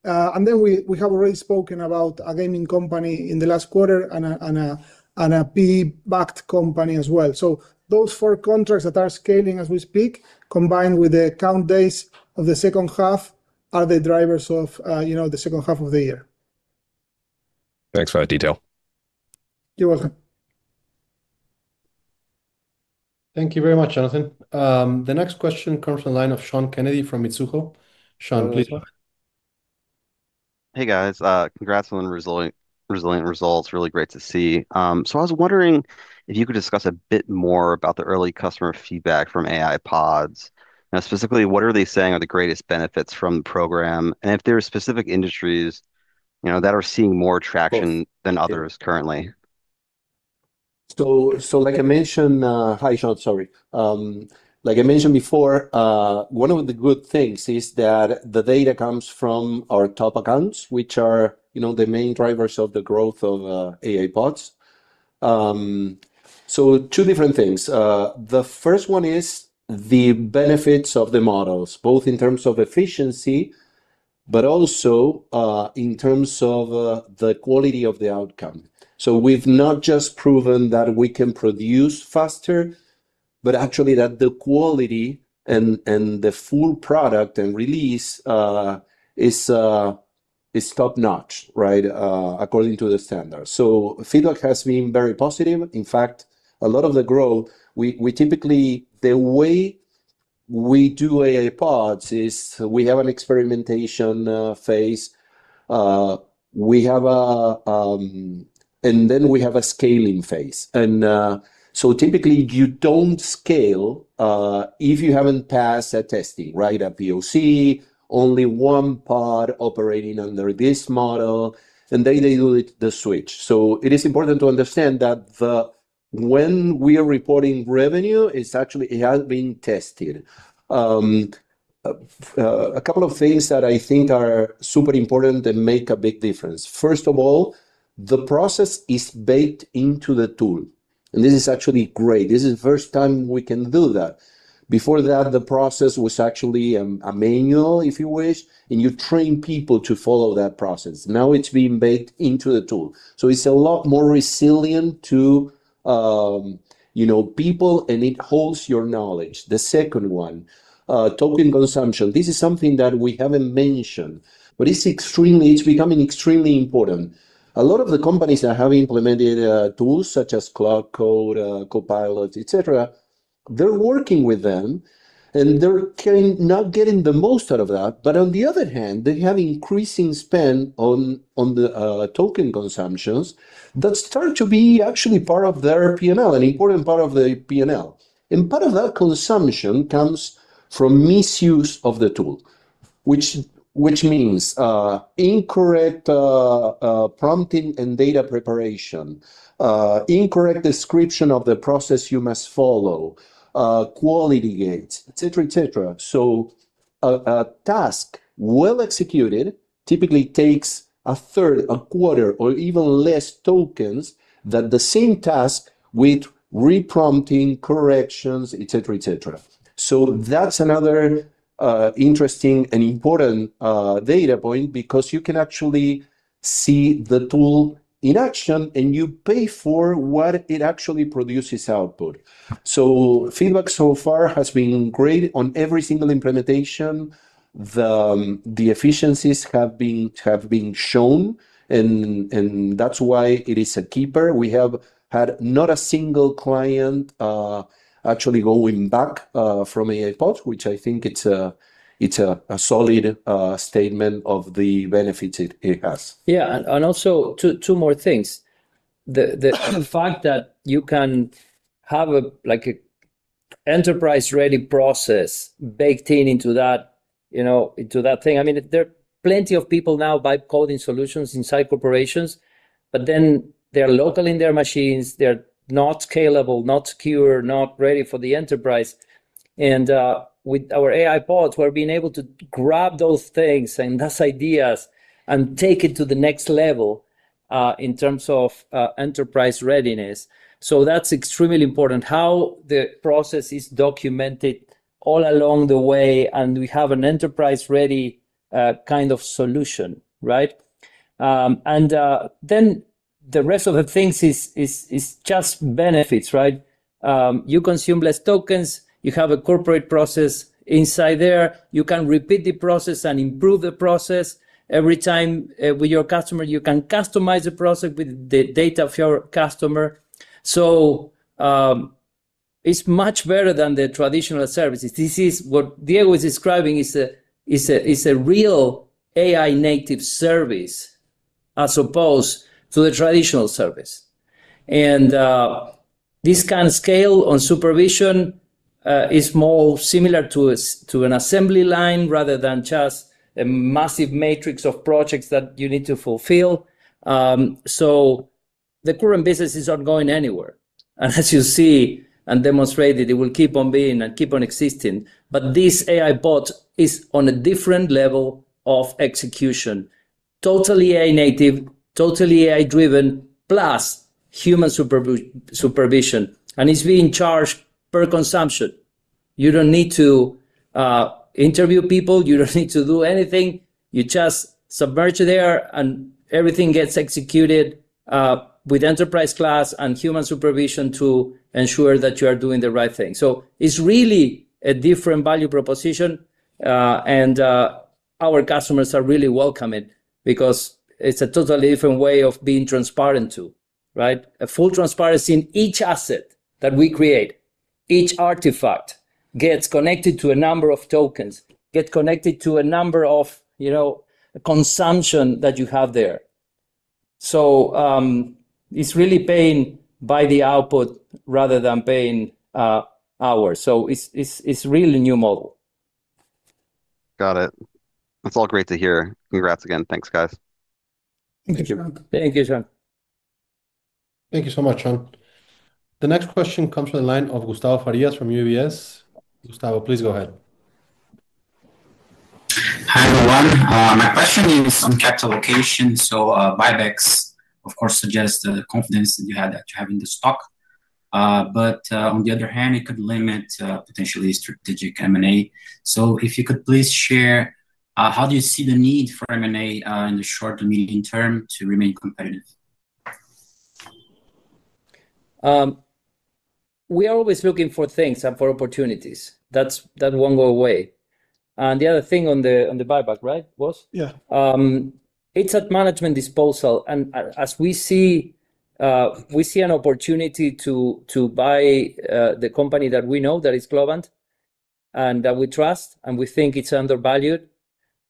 We have already spoken about a gaming company in the last quarter and a PE-backed company as well. Those four contracts that are scaling as we speak, combined with the account days of the second half, are the drivers of, you know, the second half of the year. Thanks for that detail. You're welcome. Thank you very much, Jonathan. The next question comes from the line of Sean Kennedy from Mizuho. Sean, please go ahead. Hey, guys. Congrats on the resilient results. Really great to see. I was wondering if you could discuss a bit more about the early customer feedback from AI Pods, and specifically, what are they saying are the greatest benefits from the program, and if there are specific industries, you know, that are seeing more traction than others currently. Like I mentioned, Hi, Sean. Sorry. Like I mentioned before, one of the good things is that the data comes from our top accounts, which are, you know, the main drivers of the growth of AI Pods. two different things. The first one is the benefits of the models, both in terms of efficiency, but also in terms of the quality of the outcome. We've not just proven that we can produce faster, but actually that the quality and the full product and release is top-notch, right, according to the standard. Feedback has been very positive. In fact, a lot of the growth, the way we do AI Pods is we have an experimentation phase. We have a scaling phase. Typically you don't scale if you haven't passed a testing, right? A POC, only one pod operating under this model, then they do the switch. It is important to understand that when we are reporting revenue, it's actually, it has been tested. A couple of things that I think are super important and make a big difference. First of all, the process is baked into the tool, and this is actually great. This is first time we can do that. Before that, the process was actually manual, if you wish, and you train people to follow that process. Now it's being baked into the tool. It's a lot more resilient to, you know, people, and it holds your knowledge. The second one, token consumption. This is something that we haven't mentioned, but it's extremely, it's becoming extremely important. A lot of the companies that have implemented tools such as Claude Code, Copilot, et cetera, they're working with them, and they're getting, not getting the most out of that. On the other hand, they have increasing spend on the token consumptions that start to be actually part of their P&L, an important part of the P&L. Part of that consumption comes from misuse of the tool, which means incorrect prompting and data preparation, incorrect description of the process you must follow, quality gates, et cetera, et cetera. A task well executed typically takes a third, a quarter, or even less tokens than the same task with re-prompting, corrections, et cetera, et cetera. That's another interesting and important data point because you can actually see the tool in action, and you pay for what it actually produces output. Feedback so far has been great on every single implementation. The efficiencies have been shown and that's why it is a keeper. We have had not a single client actually going back from AI Pod, which I think it's a solid statement of the benefits it has. Also two more things. The fact that you can have like enterprise-ready process baked in into that, you know, into that thing. I mean, there are plenty of people now buy coding solutions inside corporations, but then they're local in their machines. They're not scalable, not secure, not ready for the enterprise. With our AI Pods, we're being able to grab those things and those ideas and take it to the next level in terms of enterprise readiness. That's extremely important, how the process is documented all along the way, and we have an enterprise-ready kind of solution, right? The rest of the things is just benefits, right? You consume less tokens. You have a corporate process inside there. You can repeat the process and improve the process every time with your customer. You can customize the process with the data of your customer. It's much better than the traditional services. This is what Diego is describing is a real AI native service. As opposed to the traditional service. This can scale on supervision is more similar to an assembly line rather than just a massive matrix of projects that you need to fulfill. The current businesses aren't going anywhere. As you see and demonstrated, it will keep on being and keep on existing. This AI Pod is on a different level of execution. Totally AI native, totally AI driven, plus human supervision. It's being charged per consumption. You don't need to interview people. You don't need to do anything. You just submit there, and everything gets executed with enterprise class and human supervision to ensure that you are doing the right thing. It's really a different value proposition. Our customers are really welcoming because it's a totally different way of being transparent too, right? A full transparency in each asset that we create. Each artifact gets connected to a number of tokens, get connected to a number of, you know, consumption that you have there. It's really paying by the output rather than paying hours. It's really new model. Got it. That's all great to hear. Congrats again. Thanks, guys. Thank you. Thank you, Sean. Thank you so much, Sean. The next question comes from the line of Gustavo Farias from UBS. Gustavo, please go ahead. Hi, everyone. My question is on capital allocation. Buybacks, of course, suggests the confidence that you had, that you have in the stock. On the other hand, it could limit potentially strategic M&A. If you could please share, how do you see the need for M&A in the short to medium term to remain competitive? We are always looking for things and for opportunities. That won't go away. The other thing on the buyback, right. Yeah It's at management disposal. As we see, we see an opportunity to buy the company that we know, that is Globant, and that we trust, and we think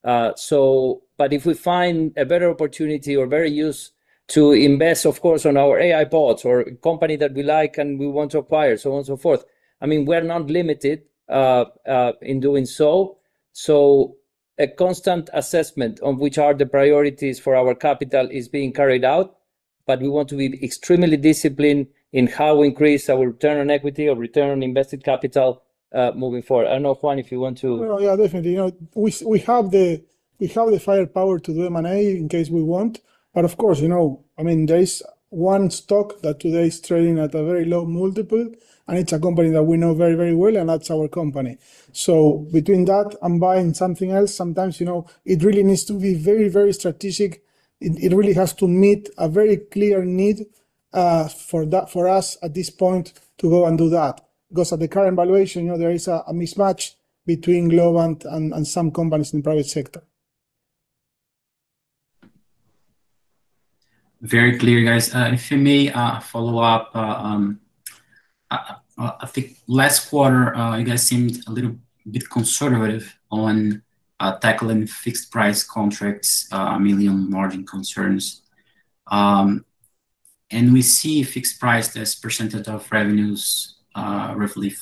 it's undervalued. If we find a better opportunity or better use to invest, of course, on our AI Pods or company that we like and we want to acquire, so on and so forth, I mean, we're not limited in doing so. A constant assessment on which are the priorities for our capital is being carried out, but we want to be extremely disciplined in how we increase our return on equity or return on invested capital, moving forward. I don't know, Juan, if you want to- Well, yeah, definitely. You know, we have the firepower to do M&A in case we want. Of course, you know, I mean, there is one stock that today is trading at a very low multiple, and it's a company that we know very, very well, and that's our company. Between that and buying something else, sometimes, you know, it really needs to be very, very strategic. It really has to meet a very clear need for us at this point to go and do that. At the current valuation, you know, there is a mismatch between Globant and some companies in the private sector. Very clear, guys. If you may, follow up. I think last quarter, you guys seemed a little bit conservative on tackling fixed price contracts, mainly on margin concerns. We see fixed price as percentage of revenues, roughly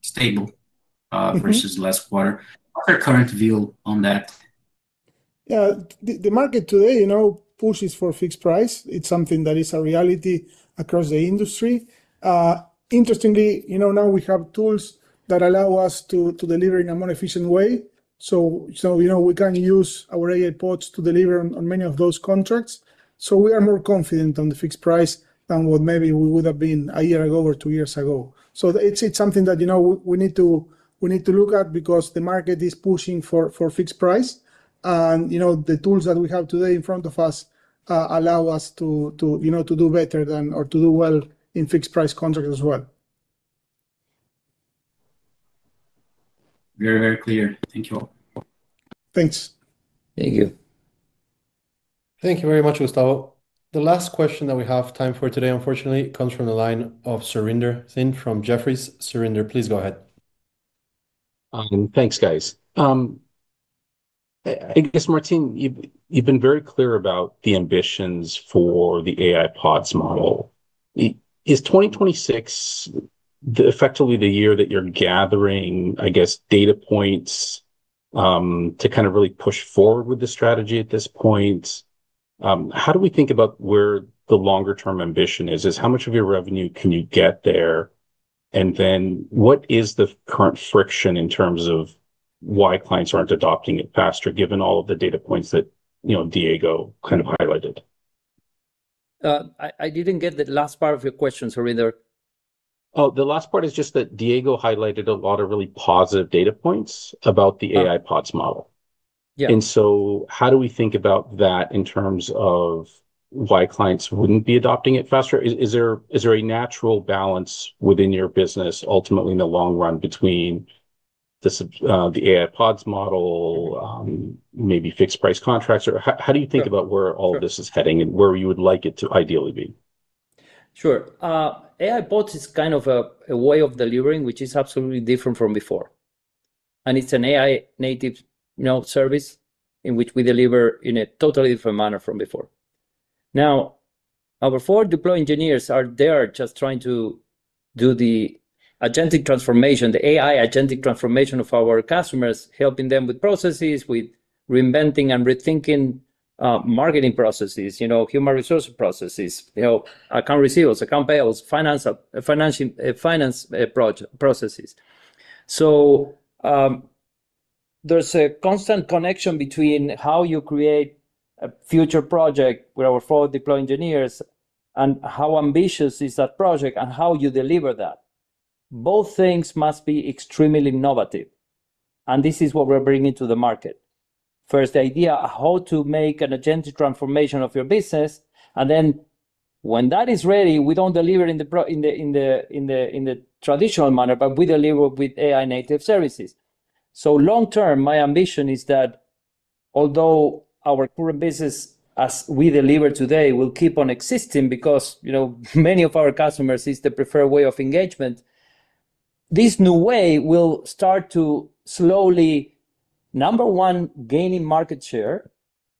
stable. versus last quarter. What's your current view on that? Yeah. The market today, you know, pushes for fixed price. It's something that is a reality across the industry. Interestingly, you know, now we have tools that allow us to deliver in a more efficient way. You know, we can use our AI Pods to deliver on many of those contracts. We are more confident on the fixed price than what maybe we would have been one year ago or two years ago. It's something that, you know, we need to look at because the market is pushing for fixed price. You know, the tools that we have today in front of us allow us to, you know, to do better than or to do well in fixed price contracts as well. Very, very clear. Thank you all. Thanks. Thank you. Thank you very much, Gustavo. The last question that we have time for today, unfortunately, comes from the line of Surinder Thind from Jefferies. Surinder, please go ahead. Thanks, guys. I guess, Martín, you've been very clear about the ambitions for the AI Pods model. Is 2026 effectively the year that you're gathering, I guess, data points, to kind of really push forward with the strategy at this point? How do we think about where the longer term ambition is? Is how much of your revenue can you get there? What is the current friction in terms of why clients aren't adopting it faster, given all of the data points that, you know, Diego kind of highlighted? I didn't get the last part of your question, Surinder. The last part is just that Diego highlighted a lot of really positive data points about the AI Pods model. Yeah. How do we think about that in terms of why clients wouldn't be adopting it faster? Is there a natural balance within your business, ultimately in the long run between the AI Pods model, maybe fixed price contracts? How do you think about where all this is heading and where you would like it to ideally be? Sure. AI Pods is kind of a way of delivering which is absolutely different from before, and it's an AI native, you know, service in which we deliver in a totally different manner from before. Now, our Forward Deployed Engineers are there just trying to do the agentic transformation, the AI agentic transformation of our customers, helping them with processes, with reinventing and rethinking marketing processes, you know, human resource processes. You know, account receivables, account payables, finance, financing, finance processes. There's a constant connection between how you create a future project with our Forward Deployed Engineers and how ambitious is that project and how you deliver that. Both things must be extremely innovative, and this is what we're bringing to the market. The idea how to make an agentic transformation of your business, and then when that is ready, we don't deliver in the traditional manner, but we deliver with AI native services. Long term, my ambition is that although our current business as we deliver today will keep on existing because, you know, many of our customers it's the preferred way of engagement, this new way will start to slowly, number one, gaining market share,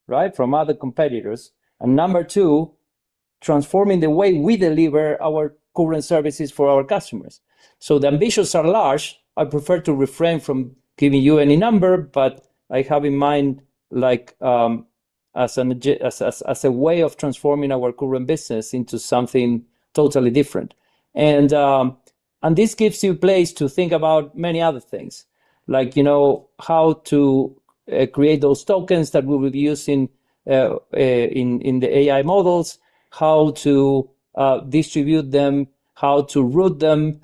right, from other competitors, and number two, transforming the way we deliver our current services for our customers. The ambitions are large. I prefer to refrain from giving you any number, but I have in mind, like, As a way of transforming our current business into something totally different. This gives you place to think about many other things, like, you know, how to create those tokens that we would use in the AI models, how to distribute them, how to route them.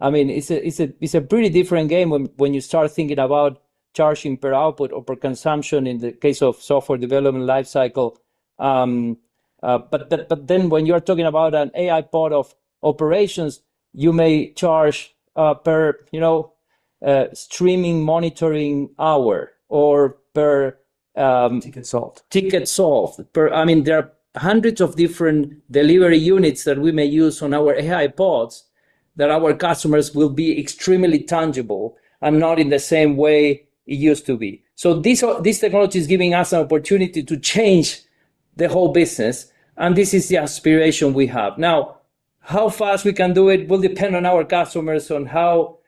I mean, it's a pretty different game when you start thinking about charging per output or per consumption in the case of software development life cycle. But then when you're talking about an AI bot of operations, you may charge per, you know, streaming monitoring hour or per. Ticket solved. ticket solved per I mean, there are hundreds of different delivery units that we may use on our AI bots that our customers will be extremely tangible and not in the same way it used to be. This technology is giving us an opportunity to change the whole business, and this is the aspiration we have. Now, how fast we can do it will depend on our customers, on how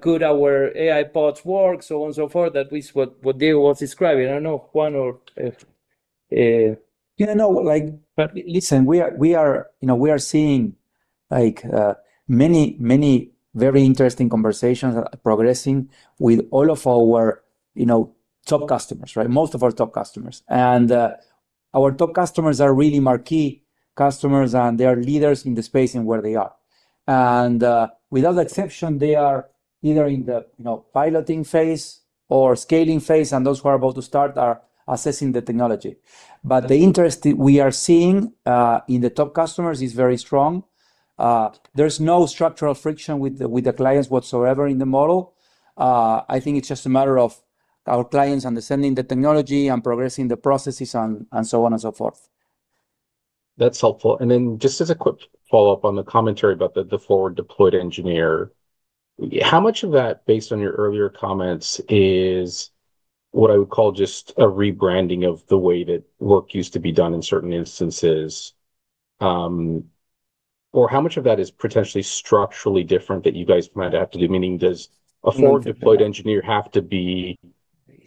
good our AI bots work, so on and so forth. That is what Diego was describing. I don't know, Juan or. Yeah, no, like, listen, we are, you know, we are seeing like many very interesting conversations progressing with all of our, you know, top customers, right? Most of our top customers. Our top customers are really marquee customers, and they are leaders in the space in where they are. Without exception, they are either in the, you know, piloting phase or scaling phase, and those who are about to start are assessing the technology. The interest we are seeing in the top customers is very strong. There's no structural friction with the clients whatsoever in the model. I think it's just a matter of our clients understanding the technology and progressing the processes and so on and so forth. That's helpful. Just as a quick follow-up on the commentary about the Forward Deployed Engineer, how much of that, based on your earlier comments, is what I would call just a rebranding of the way that work used to be done in certain instances? How much of that is potentially structurally different that you guys might have to do? Meaning does a Forward Deployed Engineer have to be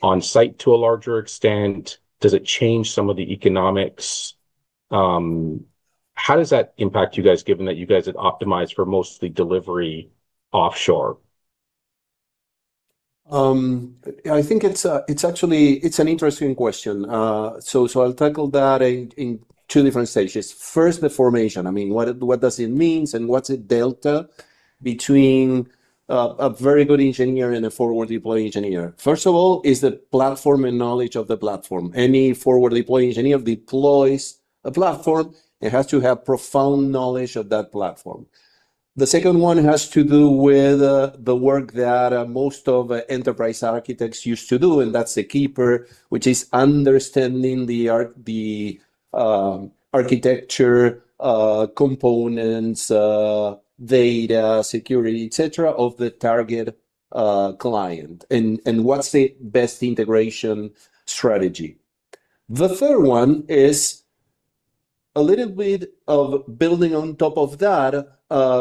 on site to a larger extent? Does it change some of the economics? How does that impact you guys given that you guys had optimized for mostly delivery offshore? I think it's actually an interesting question. I'll tackle that in two different stages. First, the formation. I mean, what does it means, and what's the delta between a very good engineer and a forward deploy engineer? First of all, is the platform and knowledge of the platform. Any forward deploy engineer deploys a platform, it has to have profound knowledge of that platform. The second one has to do with the work that most of enterprise architects used to do, and that's the keeper, which is understanding the arc, the architecture, components, data security, et cetera, of the target client and what's the best integration strategy. The third one is a little bit of building on top of that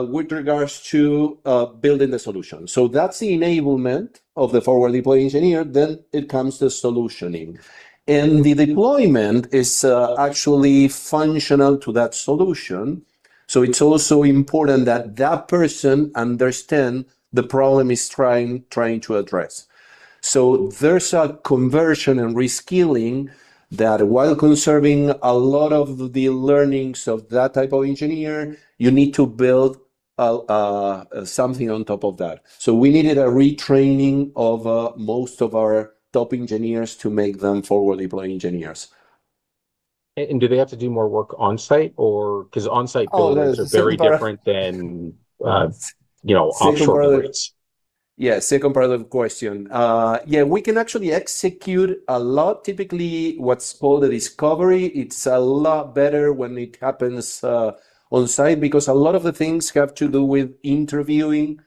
with regards to building the solution. That's the enablement of the Forward Deployed Engineer, then it comes to solutioning. The deployment is actually functional to that solution, so it's also important that that person understand the problem it's trying to address. There's a conversion and reskilling that while conserving a lot of the learnings of that type of engineer, you need to build something on top of that. We needed a retraining of most of our top engineers to make them Forward Deployed Engineers. Do they have to do more work on-site or? Oh, no. are very different than, you know, offshore builds. Yeah, second part of the question. Yeah, we can actually execute a lot, typically what's called a discovery. It's a lot better when it happens on-site because a lot of the things have to do with interviewing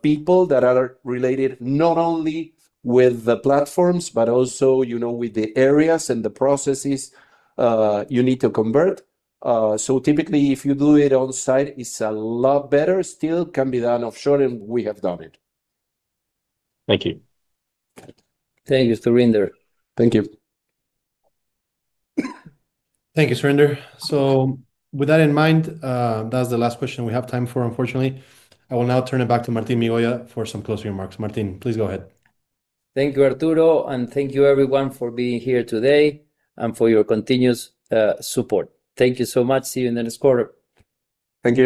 people that are related not only with the platforms, but also, you know, with the areas and the processes you need to convert. Typically, if you do it on-site, it's a lot better. Still can be done offshore, and we have done it. Thank you. Thank you, Surinder. Thank you. Thank you, Surinder. With that in mind, that's the last question we have time for, unfortunately. I will now turn it back to Martín Migoya for some closing remarks. Martin, please go ahead. Thank you, Arturo, and thank you everyone for being here today and for your continuous support. Thank you so much. See you in the next quarter. Thank you.